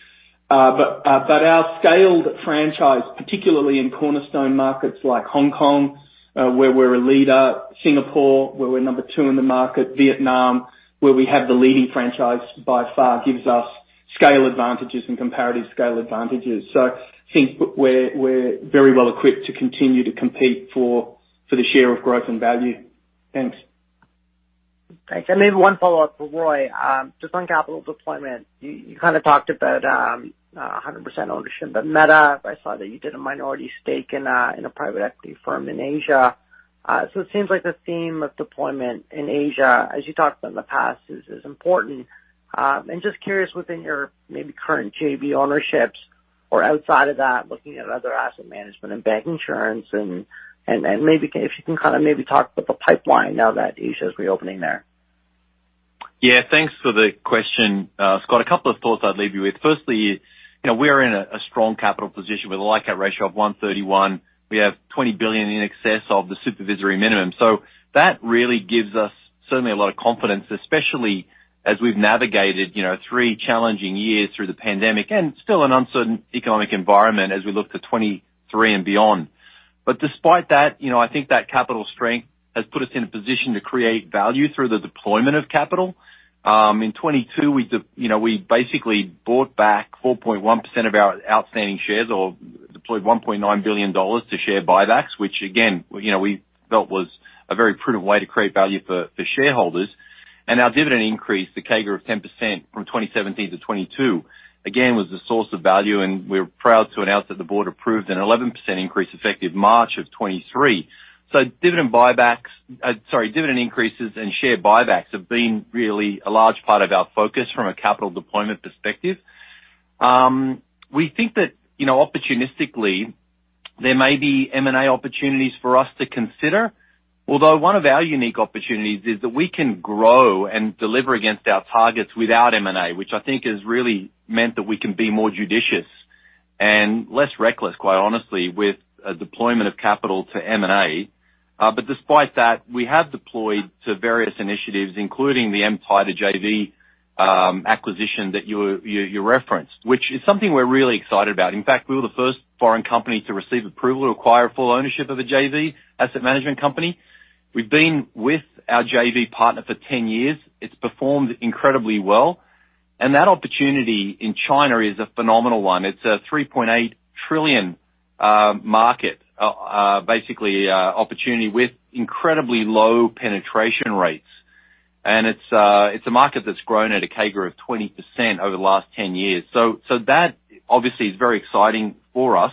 Our scaled franchise, particularly in cornerstone markets like Hong Kong, where we're a leader, Singapore, where we're number two in the market, Vietnam, where we have the leading franchise by far, gives us scale advantages and comparative scale advantages. I think we're very well equipped to continue to compete for the share of growth and value. Thanks. Thanks. Maybe one follow-up for Roy. Just on capital deployment. You kind of talked about 100% ownership at Meta. I saw that you did a minority stake in a private equity firm in Asia. So it seems like the theme of deployment in Asia as you talked about in the past is important. Just curious within your maybe current JV ownerships or outside of that, looking at other asset management and bank insurance and maybe if you can kind of maybe talk about the pipeline now that Asia's reopening there? Yeah, thanks for the question, Scott. A couple of thoughts I'd leave you with. Firstly, you know, we are in a strong capital position with a LICAT ratio of 131. We have $20 billion in excess of the supervisory minimum. That really gives us certainly a lot of confidence, especially as we've navigated, you know, three challenging years through the pandemic and still an uncertain economic environment as we look to 2023 and beyond. Despite that, you know, I think that capital strength has put us in a position to create value through the deployment of capital. In 2022 we, you know, we basically bought back 4.1% of our outstanding shares or deployed $1.9 billion to share buybacks, which again, you know, we felt was a very prudent way to create value for shareholders. Our dividend increase, the CAGR of 10% from 2017 to 2022, again, was a source of value and we're proud to announce that the board approved an 11% increase effective March of 2023. Dividend buybacks, sorry, dividend increases and share buybacks have been really a large part of our focus from a capital deployment perspective. We think that, you know, opportunistically there may be M&A opportunities for us to consider. Although one of our unique opportunities is that we can grow and deliver against our targets without M&A, which I think has really meant that we can be more judicious and less reckless, quite honestly, with a deployment of capital to M&A. Despite that, we have deployed to various initiatives, including the Empire JV acquisition that you referenced, which is something we're really excited about. In fact, we were the first foreign company to receive approval to acquire full ownership of a JV asset management company. We've been with our JV partner for 10 years. It's performed incredibly well. That opportunity in China is a phenomenal one. It's a $3.8 trillion market opportunity with incredibly low penetration rates. It's a market that's grown at a CAGR of 20% over the last 10 years. That obviously is very exciting for us.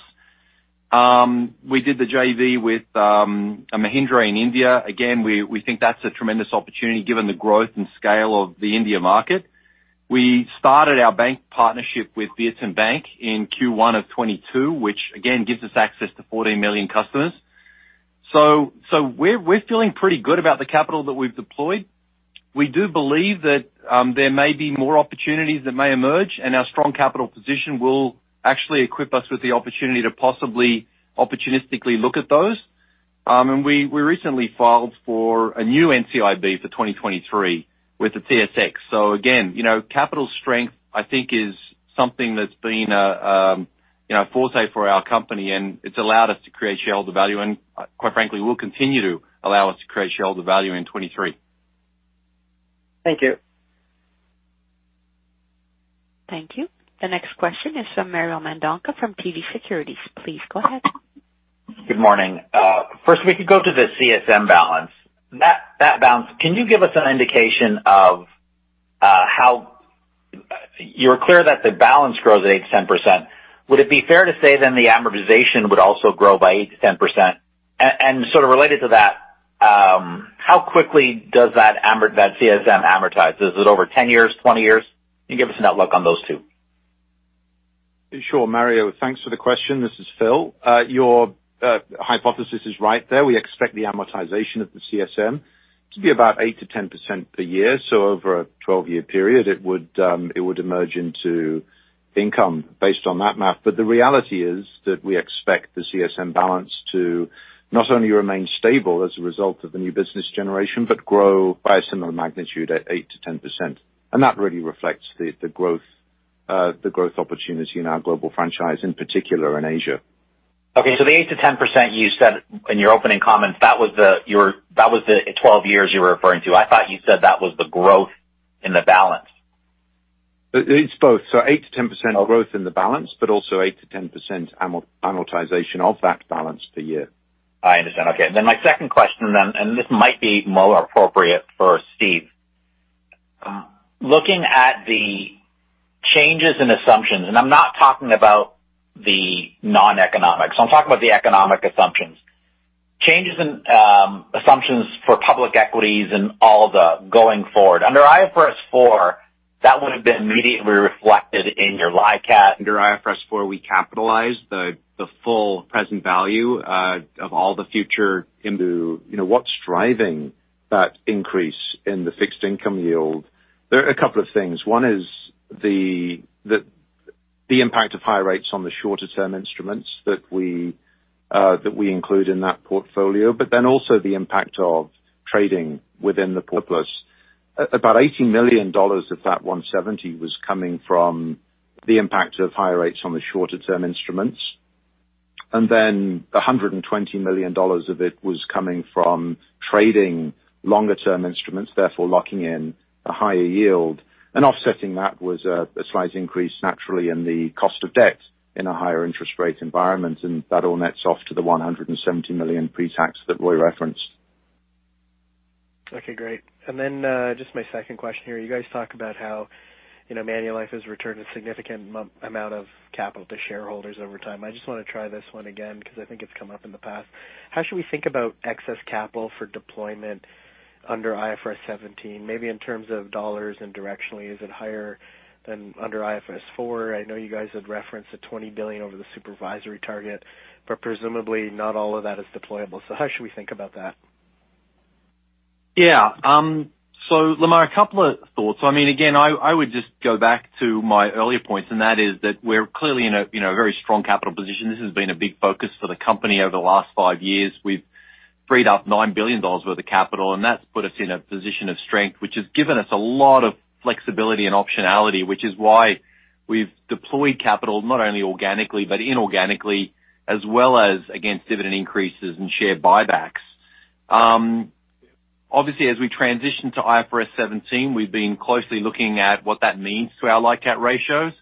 We did the JV with Mahindra in India. Again, we think that's a tremendous opportunity given the growth and scale of the India market. We started our bank partnership with Bank in Q1 of 2022, which again gives us access to 14 million customers. We're feeling pretty good about the capital that we've deployed. We do believe that there may be more opportunities that may emerge, and our strong capital position will actually equip us with the opportunity to possibly opportunistically look at those. We recently filed for a new NCIB for 2023 with the TSX. Again, you know, capital strength I think is something that's been, you know, forte for our company, and it's allowed us to create shareholder value. Quite frankly, will continue to allow us to create shareholder value in 2023. Thank you. Thank you. The next question is from Mario Mendonca from TD Securities. Please go ahead. Good morning. First, if we could go to the CSM balance. That balance, can you give us an indication of how... You're clear that the balance grows at 8% to 10%. Would it be fair to say then the amortization would also grow by 8% to 10%? Sort of related to that, how quickly does that CSM amortize? Is it over 10 years, 20 years? Can you give us an outlook on those two? Sure, Mario. Thanks for the question. This is Phil. Your hypothesis is right there. We expect the amortization of the CSM to be about 8%-10% per year. Over a 12-year period, it would emerge into income based on that math. The reality is that we expect the CSM balance to not only remain stable as a result of the new business generation, but grow by a similar magnitude at 8%-10%. That really reflects the growth opportunity in our global franchise, in particular in Asia. The 8%-10% you said in your opening comments, that was the 12 years you were referring to. I thought you said that was the growth in the balance. It's both. 8%-10% growth in the balance, but also 8%-10% amortization of that balance per year. I understand. Okay. My second question, this might be more appropriate for Steve. Looking at the changes in assumptions, I'm not talking about the non-economics, I'm talking about the economic assumptions. Changes in assumptions for public equities and all the going forward. Under IFRS 4, that would have been immediately reflected in your LICAT. Under IFRS 4, we capitalize the full present value of all the future into, you know, what's driving that increase in the fixed income yield. There are a couple of things. One is the impact of high rates on the shorter-term instruments that we include in that portfolio. Also the impact of trading within the surplus. About $80 million of that 170 was coming from the impact of higher rates on the shorter-term instruments. Then $120 million of it was coming from trading longer-term instruments, therefore locking in a higher yield. Offsetting that was a slight increase naturally in the cost of debt in a higher interest rate environment. That all nets off to the $170 million pre-tax that Roy referenced. Okay, great. Just my second question here. You guys talk about how, you know, Manulife has returned a significant amount of capital to shareholders over time. I just wanna try this one again because I think it's come up in the past. How should we think about excess capital for deployment under IFRS 17, maybe in terms of dollars and directionally? Is it higher than under IFRS 4? I know you guys had referenced the $20 billion over the supervisory target, but presumably not all of that is deployable. How should we think about that? Lamar, a couple of thoughts. I mean, again, I would just go back to my earlier points, that is that we're clearly in a, you know, very strong capital position. This has been a big focus for the company over the last five years. We've freed up $9 billion worth of capital, that's put us in a position of strength, which has given us a lot of flexibility and optionality, which is why we've deployed capital not only organically but inorganically, as well as against dividend increases and share buybacks. Obviously, as we transition to IFRS 17, we've been closely looking at what that means to our LICAT ratios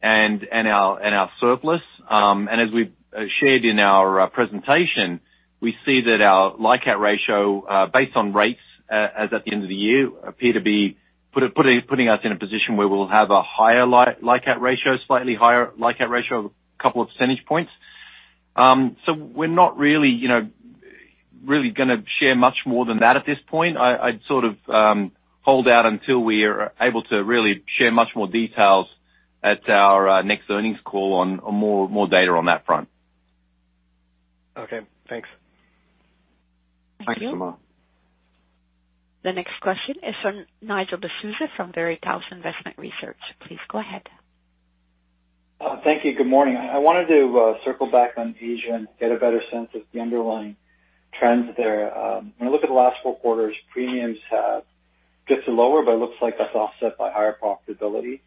and our surplus. As we've shared in our presentation, we see that our LICAT ratio, based on rates, as at the end of the year, appear to be putting us in a position where we'll have a higher LICAT ratio, slightly higher LICAT ratio, a couple of percentage points. We're not really, you know, really gonna share much more than that at this point. I'd sort of, hold out until we are able to really share much more details at our next earnings call on more data on that front. Okay, thanks. Thank you, Lamar. The next question is from Nigel D'Souza from Veritas Investment Research. Please go ahead. Thank you. Good morning. I wanted to circle back on Asia and get a better sense of the underlying trends there. When I look at the last four quarters, premiums have dipped to lower. It looks like that's offset by higher profitability.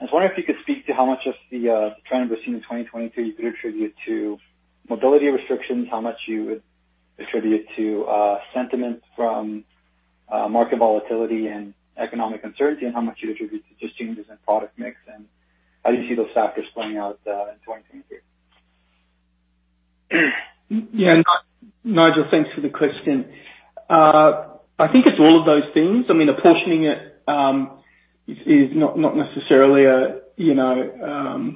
I was wondering if you could speak to how much of the trend we're seeing in 2023 you could attribute to mobility restrictions, how much you would attribute to sentiment from market volatility and economic uncertainty, how much you attribute to just changes in product mix. How do you see those factors playing out in 2023? Yeah, Nigel, thanks for the question. I think it's all of those things. I mean, apportioning it is not necessarily a, you know,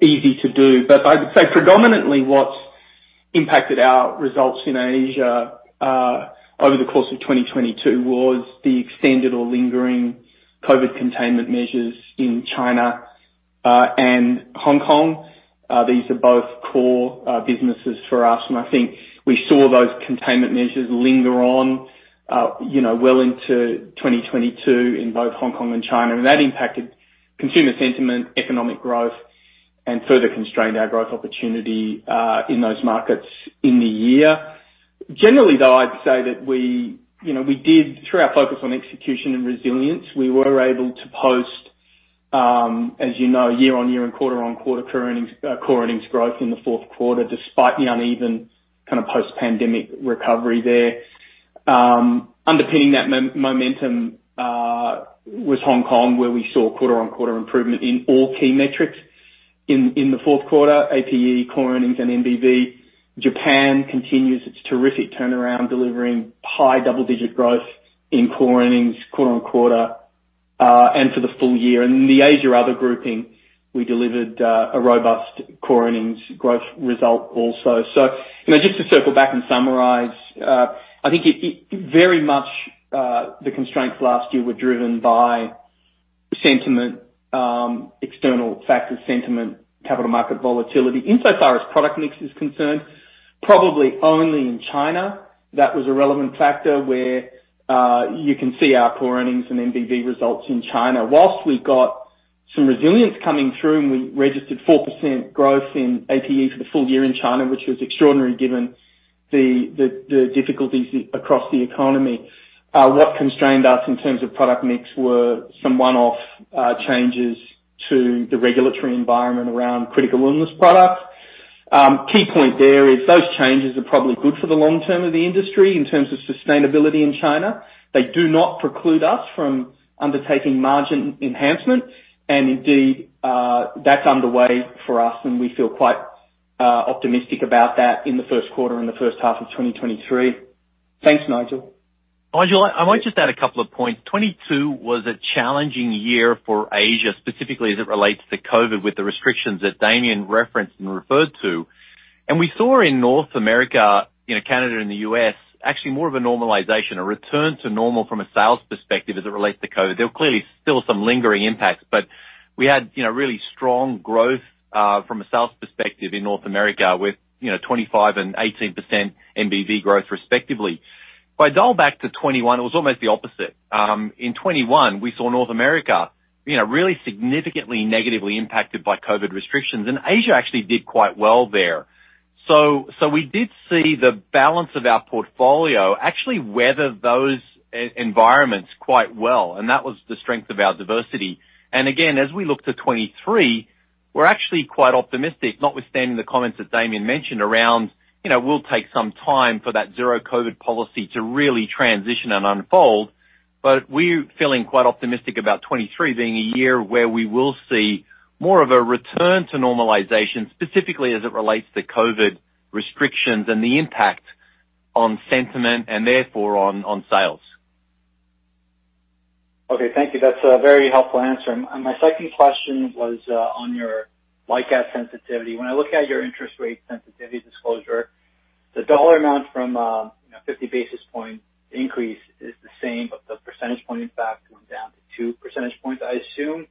easy to do. I would say predominantly what's impacted our results in Asia over the course of 2022 was the extended or lingering COVID containment measures in China and Hong Kong. These are both core businesses for us, and I think we saw those containment measures linger on, you know, well into 2022 in both Hong Kong and China. That impacted consumer sentiment, economic growth, and further constrained our growth opportunity in those markets in the year. Generally though, I'd say that we, you know, through our focus on execution and resilience, we were able to post, as you know, year-on-year and quarter-on-quarter core earnings growth in the fourth quarter, despite the uneven kind of post-pandemic recovery there. Underpinning that momentum was Hong Kong, where we saw quarter-on-quarter improvement in all key metrics in the fourth quarter, APE, core earnings and MBV. Japan continues its terrific turnaround, delivering high double-digit growth in core earnings quarter-on-quarter and for the full year. In the Asia other grouping, we delivered a robust core earnings growth result also. You know, just to circle back and summarize, I think it very much, the constraints last year were driven by sentiment, external factors, sentiment, capital market volatility. Insofar as product mix is concerned, probably only in China that was a relevant factor where you can see our core earnings and MBV results in China. Whilst we got some resilience coming through, and we registered 4% growth in APE for the full year in China, which was extraordinary given the difficulties across the economy. What constrained us in terms of product mix were some one-off changes to the regulatory environment around critical illness products. Key point there is those changes are probably good for the long term of the industry in terms of sustainability in China. They do not preclude us from undertaking margin enhancement and indeed, that's underway for us, and we feel quite optimistic about that in the first quarter and the first half of 2023. Thanks, Nigel. Nigel, I might just add a couple of points. 2022 was a challenging year for Asia, specifically as it relates to COVID, with the restrictions that Damien referenced and referred to. We saw in North America, you know, Canada and the U.S., actually more of a normalization, a return to normal from a sales perspective as it relates to COVID. There were clearly still some lingering impacts, but we had, you know, really strong growth from a sales perspective in North America with, you know, 25% and 18% MBV growth respectively. If I dial back to 2021, it was almost the opposite. In 2021, we saw North America, you know, really significantly negatively impacted by COVID restrictions, and Asia actually did quite well there. We did see the balance of our portfolio actually weather those e-environments quite well, and that was the strength of our diversity. Again, as we look to 2023, we're actually quite optimistic, notwithstanding the comments that Damien mentioned around, you know, we'll take some time for that zero COVID policy to really transition and unfold. We're feeling quite optimistic about 2023 being a year where we will see more of a return to normalization, specifically as it relates to COVID restrictions and the impact on sentiment and therefore on sales. Okay. Thank you. That's a very helpful answer. My second question was on your LICAT sensitivity. When I look at your interest rate sensitivity disclosure, the dollar amount from, you know, 50 basis point increase is the same, but the percentage point impact went down to 2% points. I assume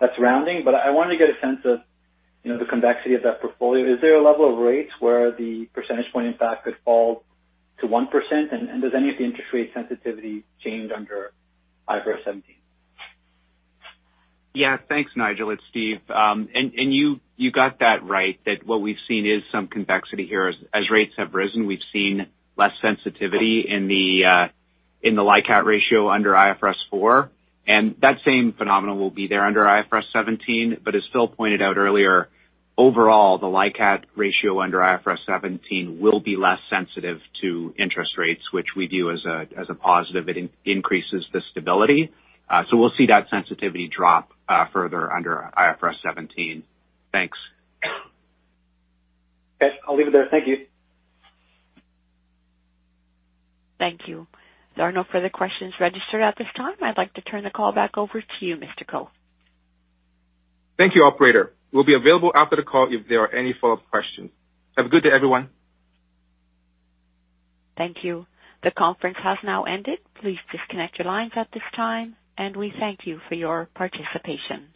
that's rounding. I wanna get a sense of, you know, the convexity of that portfolio. Is there a level of rates where the percentage point impact could fall to 1%? Does any of the interest rate sensitivity change under IFRS 17? Yeah. Thanks, Nigel. It's Steve. You got that right, that what we've seen is some convexity here. As rates have risen, we've seen less sensitivity in the LICAT ratio under IFRS 4, and that same phenomenon will be there under IFRS 17. As Phil pointed out earlier, overall the LICAT ratio under IFRS 17 will be less sensitive to interest rates, which we view as a positive. It increases the stability. We'll see that sensitivity drop further under IFRS 17. Thanks. Okay. I'll leave it there. Thank you. Thank you. There are no further questions registered at this time. I'd like to turn the call back over to you, Mr. Ko. Thank you, operator. We'll be available after the call if there are any follow-up questions. Have a good day, everyone. Thank you. The conference has now ended. Please disconnect your lines at this time. We thank you for your participation.